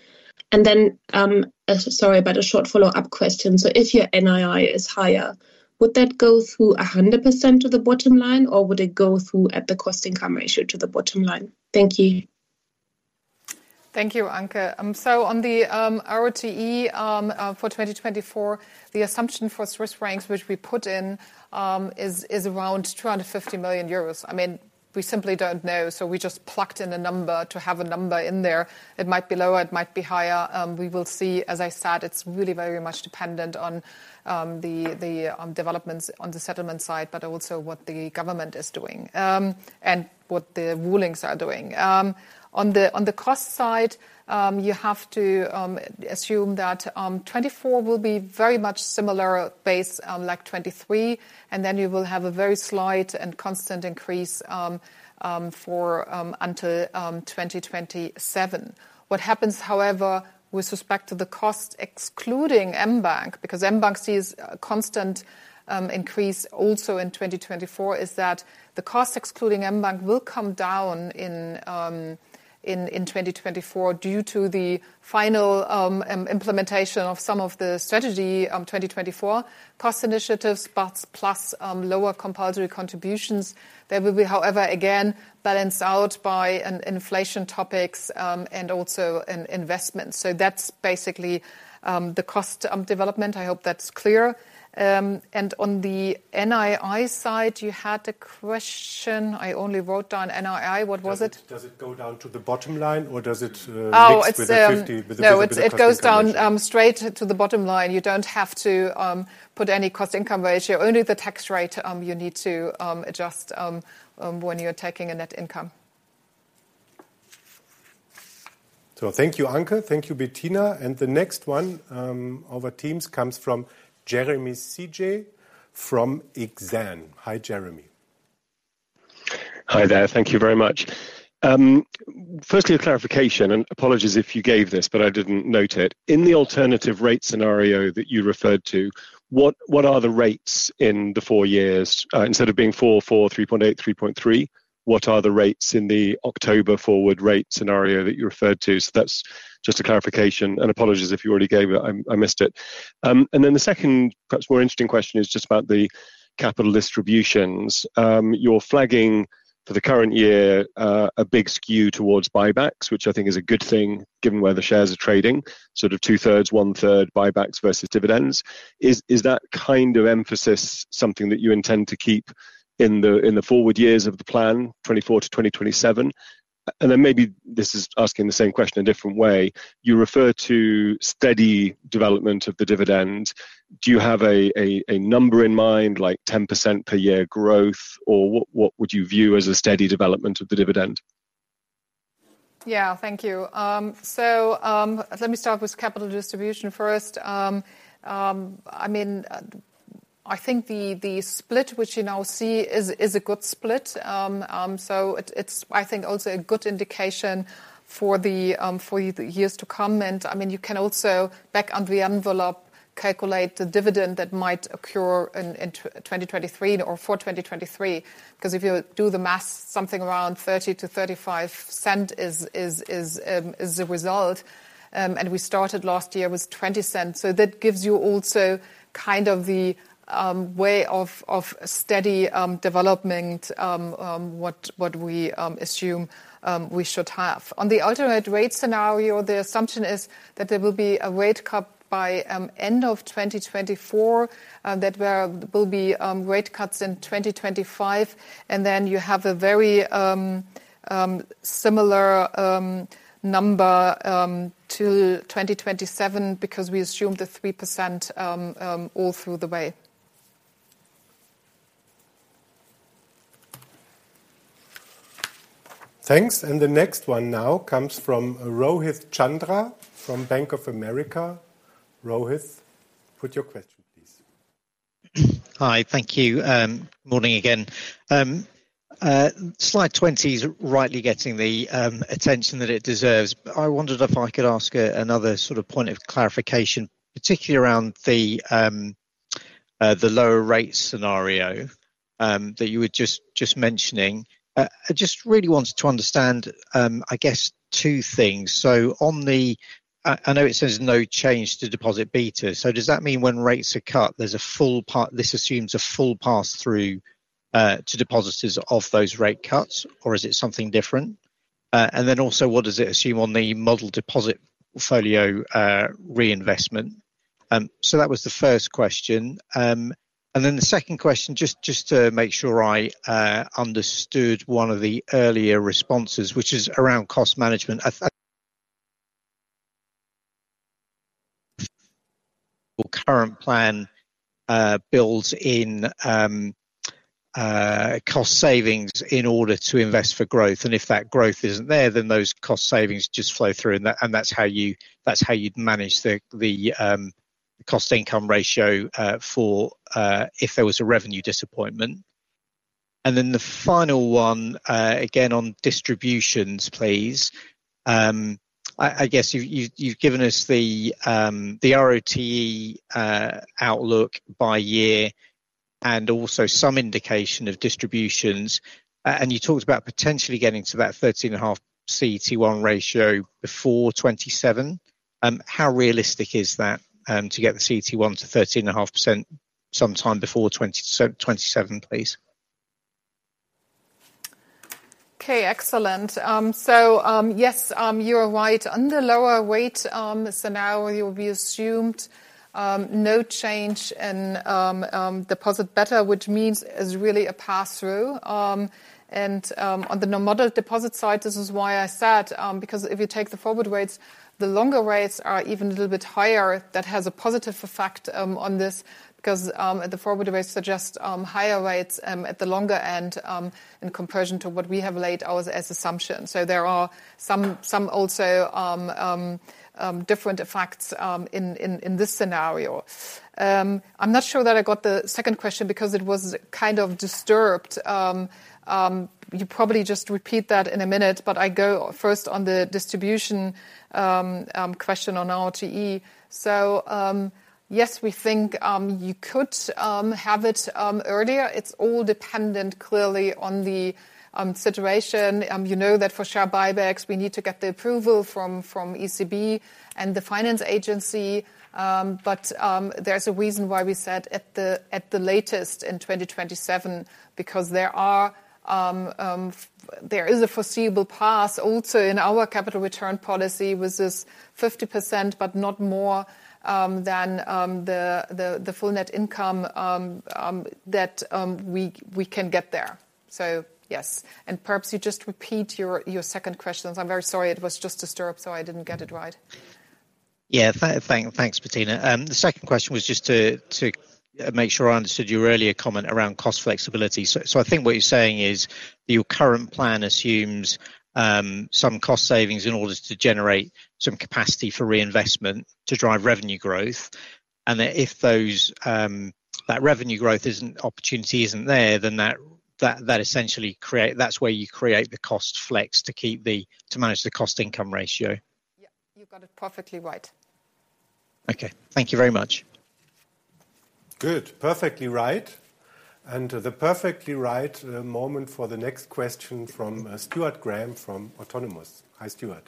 And then, sorry, but a short follow-up question. So if your NII is higher, would that go through 100% to the bottom line, or would it go through at the cost-income ratio to the bottom line? Thank you. Thank you, Anke. So on the RoTE for 2024, the assumption for Swiss francs, which we put in, is around 250 million euros. I mean, we simply don't know, so we just plucked in a number to have a number in there. It might be lower, it might be higher. We will see. As I said, it's really very much dependent on the developments on the settlement side, but also what the government is doing, and what the rulings are doing. On the cost side, you have to assume that 2024 will be very much similar based on like 2023, and then you will have a very slight and constant increase for until 2027. What happens, however, with respect to the cost, excluding mBank, because mBank sees a constant increase also in 2024, is that the cost excluding mBank will come down in 2024 due to the final implementation of some of the strategy of 2024 cost initiatives, but plus lower compulsory contributions. There will be, however, again, balanced out by an inflation topics, and also in investments. So that's basically the cost development. I hope that's clear. And on the NII side, you had a question. I only wrote down NII. What was it? Does it, does it go down to the bottom line, or does it- Oh, it's with the 50, with the cost-income ratio. No, it goes down straight to the bottom line. You don't have to put any cost-income ratio. Only the tax rate, you need to adjust when you're taking a net income.... So thank you, Anke. Thank you, Bettina. And the next one, of our teams comes from Jeremy Sigee from Exane. Hi, Jeremy. Hi there. Thank you very much. Firstly, a clarification, and apologies if you gave this, but I didn't note it. In the alternative rate scenario that you referred to, what are the rates in the four years? Instead of being 4, 4, 3.8, 3.3, what are the rates in the October forward rate scenario that you referred to? So that's just a clarification, and apologies if you already gave it. I missed it. And then the second, perhaps more interesting question, is just about the capital distributions. You're flagging for the current year, a big skew towards buybacks, which I think is a good thing, given where the shares are trading. Sort of two-thirds, one-third buybacks versus dividends. Is that kind of emphasis something that you intend to keep in the forward years of the plan, 2024 to 2027? And then maybe this is asking the same question a different way: You refer to steady development of the dividend. Do you have a number in mind, like 10% per year growth, or what would you view as a steady development of the dividend? Yeah, thank you. So, let me start with capital distribution first. I mean, I think the split which you now see is a good split. So it, it's I think also a good indication for the years to come. And I mean, you can also, back of the envelope, calculate the dividend that might occur in 2023 or for 2023. 'Cause if you do the math, something around 0.30-0.35 is the result. And we started last year with 0.20. So that gives you also kind of the way of steady development what we assume we should have. On the alternate rate scenario, the assumption is that there will be a rate cut by end of 2024, that there will be rate cuts in 2025, and then you have a very similar number till 2027 because we assume the 3% all through the way. Thanks. And the next one now comes from Rohith Chandra, from Bank of America. Rohith, put your question, please. Hi. Thank you. Morning again. Slide 20 is rightly getting the attention that it deserves. But I wondered if I could ask another sort of point of clarification, particularly around the lower rate scenario that you were just mentioning. I just really wanted to understand, I guess, two things. So on the... I know it says no change to deposit beta. So does that mean when rates are cut, there's a full pa-- this assumes a full pass-through to depositors of those rate cuts, or is it something different? And then also, what does it assume on the model deposit portfolio reinvestment? So that was the first question. And then the second question, just to make sure I understood one of the earlier responses, which is around cost management. Current plan builds in cost savings in order to invest for growth, and if that growth isn't there, then those cost savings just flow through, and that, and that's how you, that's how you'd manage the cost-income ratio for if there was a revenue disappointment. And then the final one, again, on distributions, please. I guess you've given us the RoTE outlook by year and also some indication of distributions. And you talked about potentially getting to that 13.5 CET1 ratio before 2027. How realistic is that to get the CET1 to 13.5% sometime before 2027, please? Okay, excellent. So, yes, you are right. Under lower weight scenario, you'll be assumed no change in deposit beta, which means is really a pass-through. And on the no model deposit side, this is why I said, because if you take the forward rates, the longer rates are even a little bit higher. That has a positive effect on this, because the forward rates suggest higher rates at the longer end in comparison to what we have laid out as assumptions. So there are some also different effects in this scenario. I'm not sure that I got the second question because it was kind of disturbed. You probably just repeat that in a minute, but I go first on the distribution question on RoTE. So, yes, we think you could have it earlier. It's all dependent, clearly, on the situation. You know that for share buybacks, we need to get the approval from ECB and the finance agency. But there's a reason why we said at the latest in 2027, because there is a foreseeable path also in our capital return policy, which is 50%, but not more than the full net income that we can get there. So, yes. And perhaps you just repeat your second question. I'm very sorry, it was just disturbed, so I didn't get it right.... Yeah, thanks, Bettina. The second question was just to make sure I understood your earlier comment around cost flexibility. So I think what you're saying is, your current plan assumes some cost savings in order to generate some capacity for reinvestment to drive revenue growth, and that if that revenue growth opportunity isn't there, then that essentially creates-- that's where you create the cost flex to keep the... to manage the cost-income ratio. Yeah, you've got it perfectly right. Okay. Thank you very much. Good. Perfectly right, and the perfectly right moment for the next question from Stuart Graham from Autonomous. Hi, Stuart.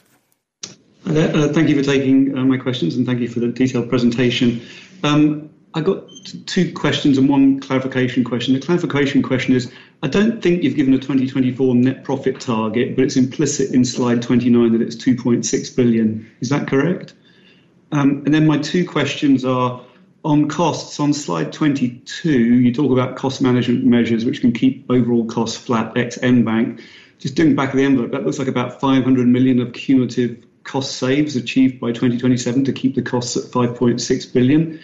Hi there. Thank you for taking my questions, and thank you for the detailed presentation. I've got two questions and one clarification question. The clarification question is: I don't think you've given a 2024 net profit target, but it's implicit in slide 29 that it's 2.6 billion. Is that correct? And then my two questions are, on costs, on slide 22, you talk about cost management measures, which can keep overall costs flat ex mBank. Just doing back of the envelope, that looks like about 500 million of cumulative cost saves achieved by 2027 to keep the costs at 5.6 billion.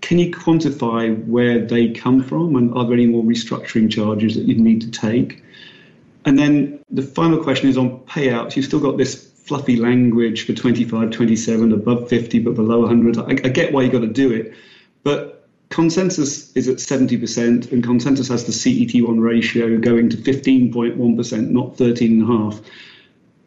Can you quantify where they come from, and are there any more restructuring charges that you'd need to take? And then the final question is on payouts. You've still got this fluffy language for 2025, 2027, above 50%, but below 100%. I, I get why you got to do it, but consensus is at 70%, and consensus has the CET1 ratio going to 15.1%, not 13.5%.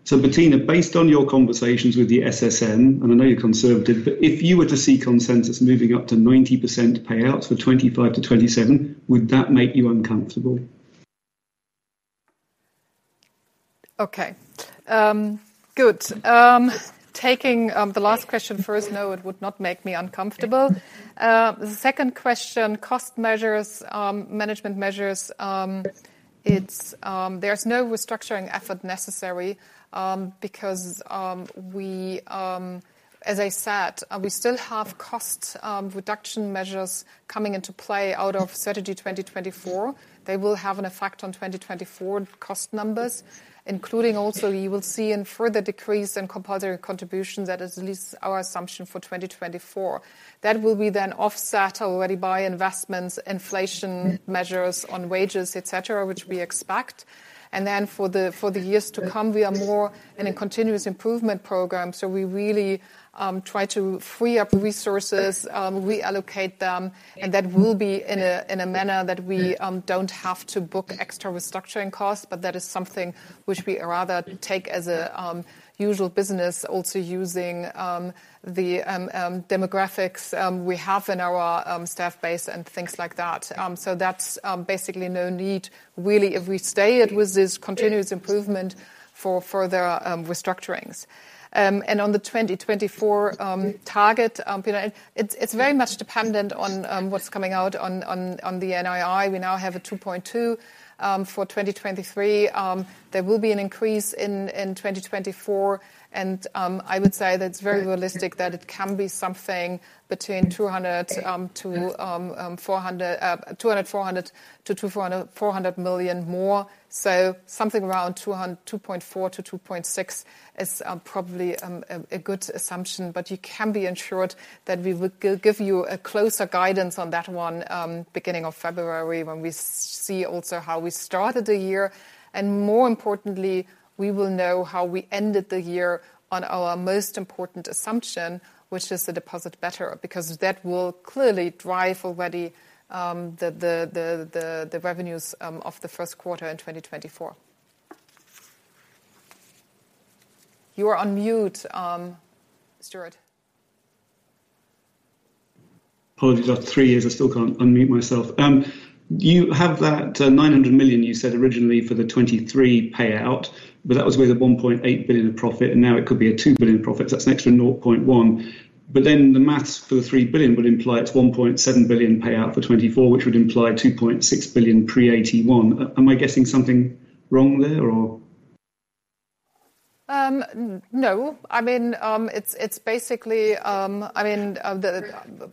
So, Bettina, based on your conversations with the SSM, and I know you're conservative, but if you were to see consensus moving up to 90% payouts for 2025-2027, would that make you uncomfortable? Okay. Good. Taking the last question first, no, it would not make me uncomfortable. Yeah. The second question, cost measures, management measures, it's. There's no restructuring effort necessary, because, as I said, we still have cost reduction measures coming into play out of strategy 2024. They will have an effect on 2024 cost numbers, including also you will see in further decrease in compulsory contributions. That is at least our assumption for 2024. That will be then offset already by investments, inflation measures on wages, et cetera, which we expect. And then for the, for the years to come, we are more in a continuous improvement program. So we really try to free up resources, reallocate them, and that will be in a, in a manner that we don't have to book extra restructuring costs, but that is something which we rather take as a usual business, also using the demographics we have in our staff base and things like that. So that's basically no need, really, if we stay it with this continuous improvement for further restructurings. And on the 2024 target, you know, it's very much dependent on what's coming out on the NII. We now have a 2.2 for 2023. There will be an increase in 2024, and I would say that it's very realistic that it can be something between 200 million-400 million more. So something around 2.4 billion-2.6 billion is probably a good assumption. But you can be ensured that we will give you a closer guidance on that one, beginning of February, when we see also how we started the year. And more importantly, we will know how we ended the year on our most important assumption, which is the deposit beta, because that will clearly drive already the revenues of the first quarter in 2024. You are on mute, Stuart. Apologies. After three years, I still can't unmute myself. You have that 900 million you said originally for the 2023 payout, but that was with a 1.8 billion in profit, and now it could be a 2 billion profit. So that's an extra 0.1. But then the math for the 3 billion would imply it's 1.7 billion payout for 2024, which would imply 2.6 billion pre-AT1. Am I getting something wrong there, or? No. I mean, it's basically... I mean, you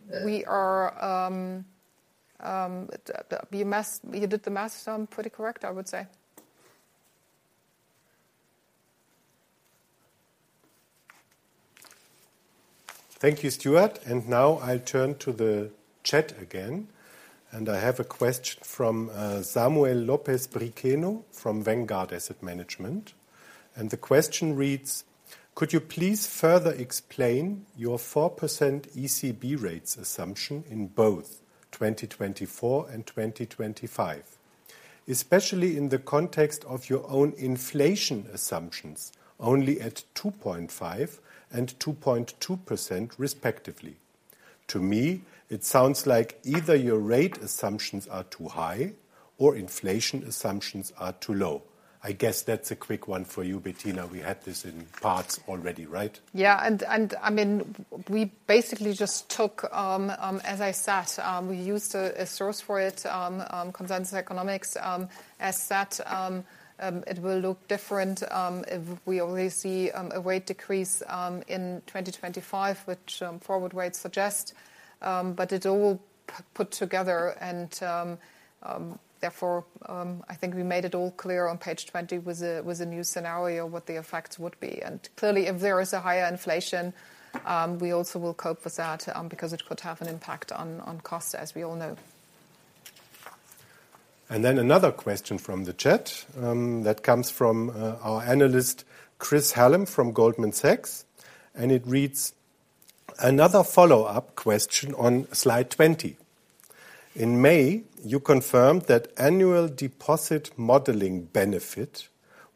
did the math, so I'm pretty correct, I would say. Thank you, Stuart. Now I'll turn to the chat again, and I have a question from Samuel López Briceño from Vanguard Asset Management. The question reads: Could you please further explain your 4% ECB rates assumption in both 2024 and 2025, especially in the context of your own inflation assumptions, only at 2.5% and 2.2% respectively? To me, it sounds like either your rate assumptions are too high or inflation assumptions are too low. I guess that's a quick one for you, Bettina. We had this in parts already, right? Yeah, and, I mean, we basically just took, as I said, we used a source for it, Consensus Economics. As said, it will look different if we only see a rate decrease in 2025, which forward rates suggest, but it all put together, and therefore, I think we made it all clear on page 20 with a new scenario what the effects would be. Clearly, if there is a higher inflation, we also will cope with that, because it could have an impact on cost, as we all know. And then another question from the chat, that comes from our analyst, Chris Hallam from Goldman Sachs, and it reads: Another follow-up question on slide 20. In May, you confirmed that annual deposit modeling benefit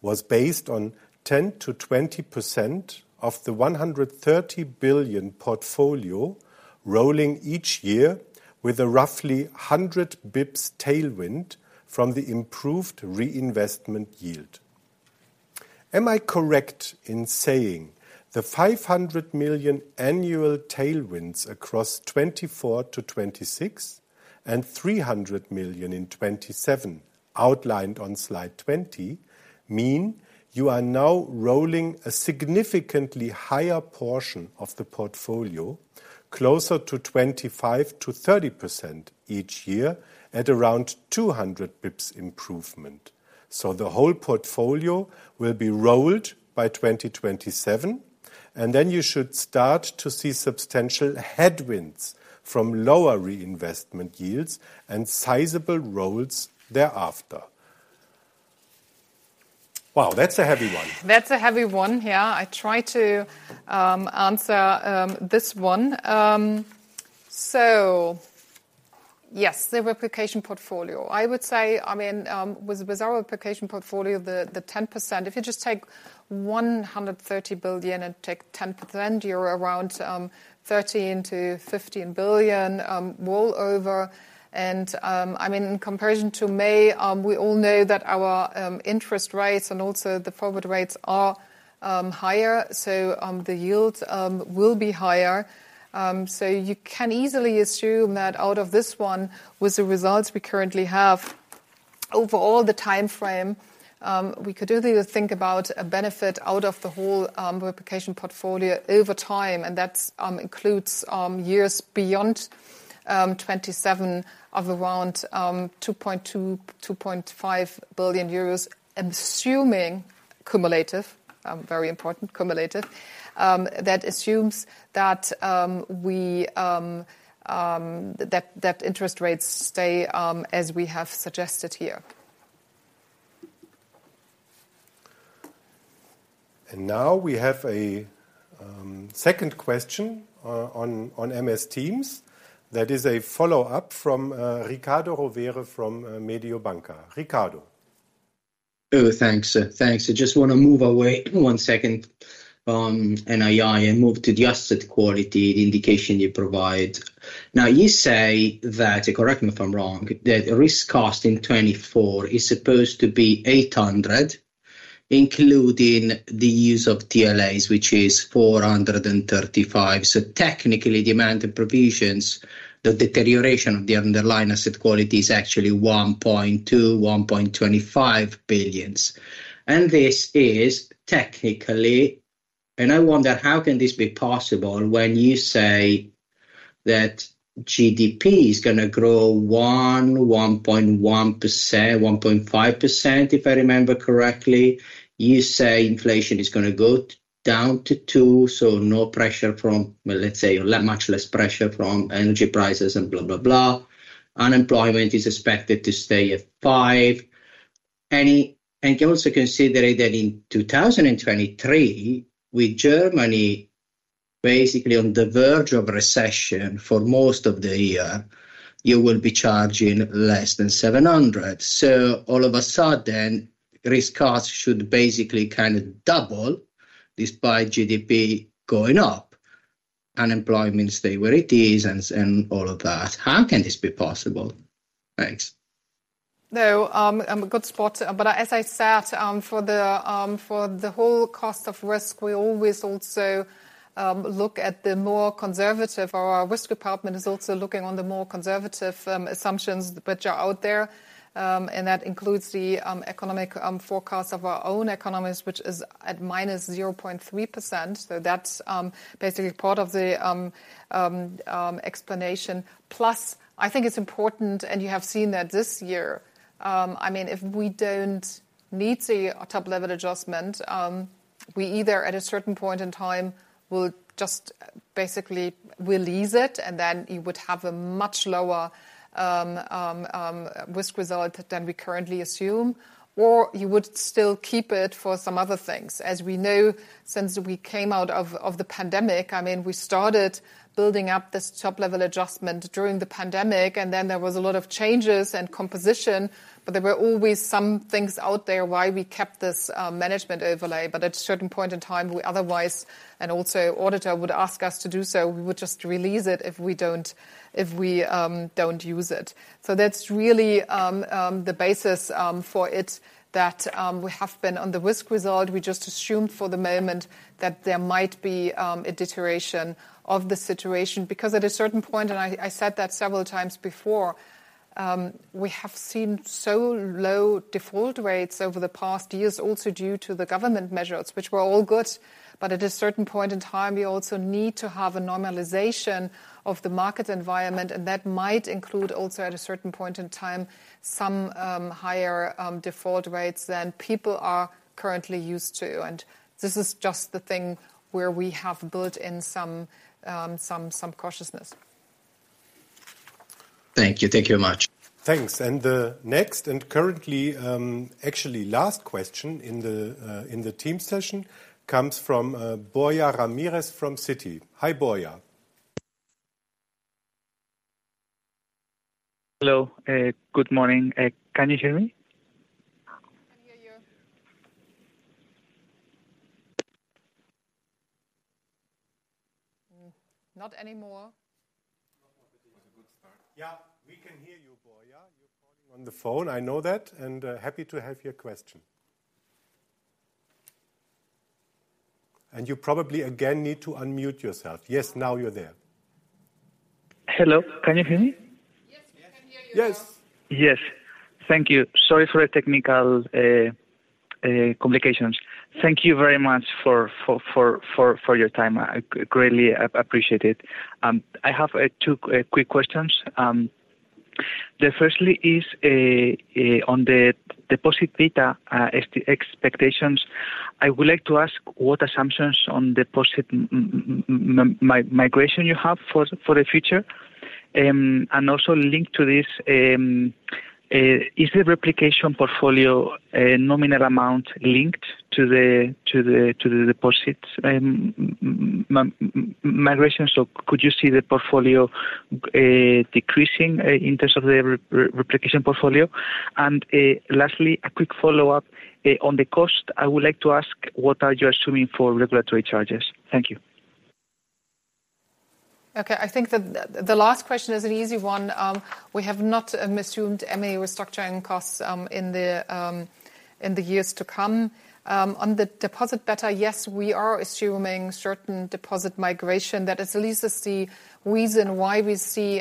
was based on 10%-20% of the 130 billion portfolio rolling each year with a roughly 100 basis points tailwind from the improved reinvestment yield. Am I correct in saying the 500 million annual tailwinds across 2024-2026, and 300 million in 2027, outlined on slide 20, mean you are now rolling a significantly higher portion of the portfolio, closer to 25%-30% each year, at around 200 basis points improvement? So the whole portfolio will be rolled by 2027, and then you should start to see substantial headwinds from lower reinvestment yields and sizable rolls thereafter. Wow, that's a heavy one! That's a heavy one. Yeah. I try to answer this one. So yes, the replication portfolio. I would say... I mean, with our replication portfolio, the 10%, if you just take 130 billion and take 10%, you're around 13 billion-15 billion rollover. And I mean, in comparison to May, we all know that our interest rates and also the forward rates are higher, so the yields will be higher. So you can easily assume that out of this one, with the results we currently have, overall the timeframe, we could either think about a benefit out of the whole replication portfolio over time, and that includes years beyond 2027 of around 2.2 billion-2.5 billion euros, assuming cumulative, very important, cumulative. That assumes that interest rates stay as we have suggested here. Now we have a second question on MS Teams. That is a follow-up from Riccardo Rovere from Mediobanca. Riccardo? Oh, thanks. Thanks. I just want to move away, one second, NII and move to the asset quality indication you provide. Now, you say that, correct me if I'm wrong, that risk cost in 2024 is supposed to be 800 million, including the use of TLAs, which is 435 million. So technically, demanded provisions, the deterioration of the underlying asset quality is actually 1.2 billion-1.25 billion. And this is technically... And I wonder, how can this be possible when you say that GDP is gonna grow 1-1.1%, 1.5%, if I remember correctly? You say inflation is gonna go down to 2%, so no pressure from... Well, let's say, much less pressure from energy prices and blah, blah, blah. Unemployment is expected to stay at 5%. And you also consider that in 2023, with Germany basically on the verge of recession for most of the year, you will be charging less than 700. So all of a sudden, risk costs should basically kind of double, despite GDP going up, unemployment stay where it is, and all of that. How can this be possible? Thanks. No, good spot. But as I said, for the whole cost of risk, we always also look at the more conservative, or our risk department is also looking on the more conservative assumptions which are out there. And that includes the economic forecast of our own economists, which is at -0.3%. So that's basically part of the explanation. Plus, I think it's important, and you have seen that this year, I mean, if we don't meet the top-level adjustment, we either, at a certain point in time, will just basically release it, and then you would have a much lower risk result than we currently assume. Or you would still keep it for some other things. As we know, since we came out of the pandemic, I mean, we started building up this top-level adjustment during the pandemic, and then there was a lot of changes and composition, but there were always some things out there why we kept this management overlay. But at a certain point in time, the auditor would ask us to do so, we would just release it if we don't use it. So that's really the basis for it that we have been on the risk result. We just assume for the moment that there might be a deterioration of the situation. Because at a certain point, I said that several times before, we have seen so low default rates over the past years, also due to the government measures, which were all good. But at a certain point in time, we also need to have a normalization of the market environment, and that might include also, at a certain point in time, some higher default rates than people are currently used to. And this is just the thing where we have built in some cautiousness. Thank you. Thank you very much. Thanks. And the next, and currently, actually last question in the team session comes from Borja Ramirez from Citi. Hi, Borja. Hello. Good morning. Can you hear me? I can hear you. Mm, not anymore. It was a good start. Yeah, we can hear you, Borja. You're calling on the phone, I know that, and happy to have your question. You probably again need to unmute yourself. Yes, now you're there. Hello. Can you hear me? Yes, we can hear you now. Yes. Yes, thank you. Sorry for the technical complications. Thank you very much for your time. I greatly appreciate it. I have two quick questions. Firstly, on the deposit beta expectations. I would like to ask what assumptions on deposit migration you have for the future? And also linked to this, is the replication portfolio a nominal amount linked to the deposits migration? So could you see the portfolio decreasing in terms of the replication portfolio? And lastly, a quick follow-up. On the cost, I would like to ask, what are you assuming for regulatory charges? Thank you. Okay, I think that the last question is an easy one. We have not assumed any restructuring costs in the years to come. On the deposit beta, yes, we are assuming certain deposit migration. That is at least the reason why we see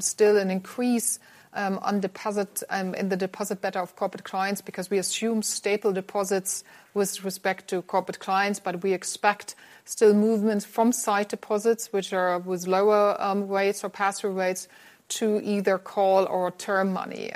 still an increase on deposit in the deposit beta of corporate clients, because we assume stable deposits with respect to corporate clients, but we expect still movements from sight deposits, which are with lower rates or pass-through rates, to either call or term money.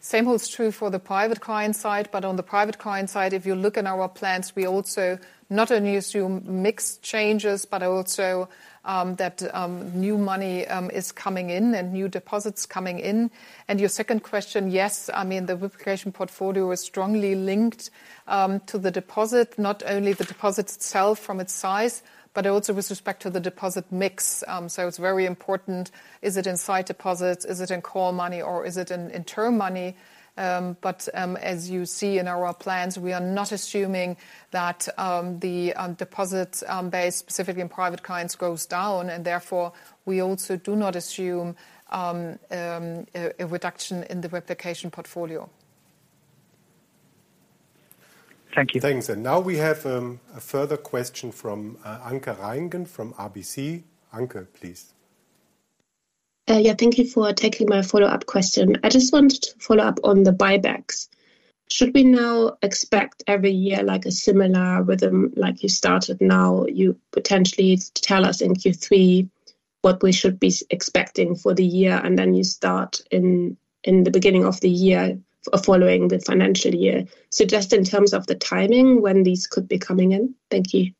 Same holds true for the private client side, but on the private client side, if you look in our plans, we also not only assume mix changes, but also that new money is coming in and new deposits coming in. And your second question, yes, I mean, the replication portfolio is strongly linked to the deposit. Not only the deposit itself from its size, but also with respect to the deposit mix. So it's very important: Is it in sight deposits? Is it in call money, or is it in term money? But, as you see in our plans, we are not assuming that the deposits based specifically in private clients goes down, and therefore, we also do not assume a reduction in the replication portfolio. Thank you. Thanks. Now we have a further question from Anke Reingen from RBC. Anke, please. Yeah, thank you for taking my follow-up question. I just wanted to follow up on the buybacks. Should we now expect every year, like, a similar rhythm like you started now? You potentially tell us in Q3 what we should be expecting for the year, and then you start in the beginning of the year, following the financial year. So just in terms of the timing when these could be coming in. Thank you.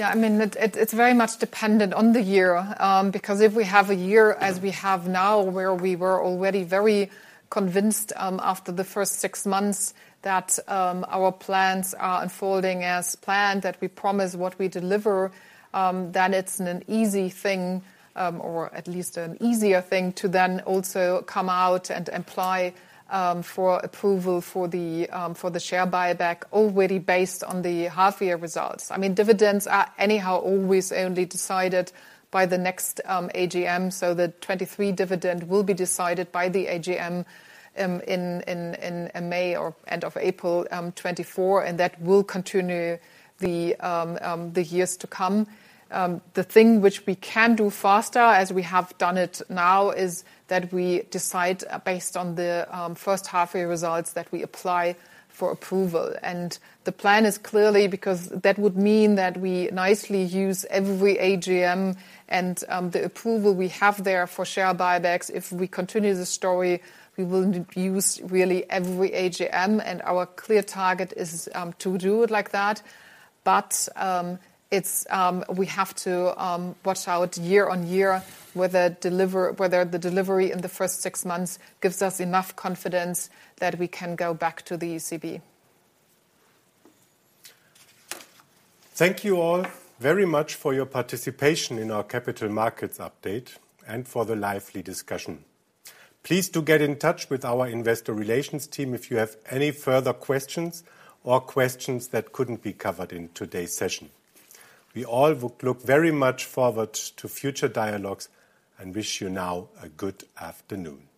Yeah, I mean, it's very much dependent on the year. Because if we have a year, as we have now, where we were already very convinced, after the first six months that, our plans are unfolding as planned, that we promise what we deliver, then it's an easy thing, or at least an easier thing, to then also come out and apply, for approval for the, for the share buyback already based on the half year results. I mean, dividends are anyhow always only decided by the next, AGM, so the 2023 dividend will be decided by the AGM, in, in, in May or end of April, 2024, and that will continue the, the years to come. The thing which we can do faster, as we have done it now, is that we decide, based on the first half year results, that we apply for approval. And the plan is clearly because that would mean that we nicely use every AGM and the approval we have there for share buybacks. If we continue the story, we will use really every AGM, and our clear target is to do it like that. But it's... We have to watch out year on year whether the delivery in the first six months gives us enough confidence that we can go back to the ECB. Thank you all very much for your participation in our capital markets update and for the lively discussion. Please do get in touch with our Investor Relations team if you have any further questions or questions that couldn't be covered in today's session. We all look very much forward to future dialogues and wish you now a good afternoon.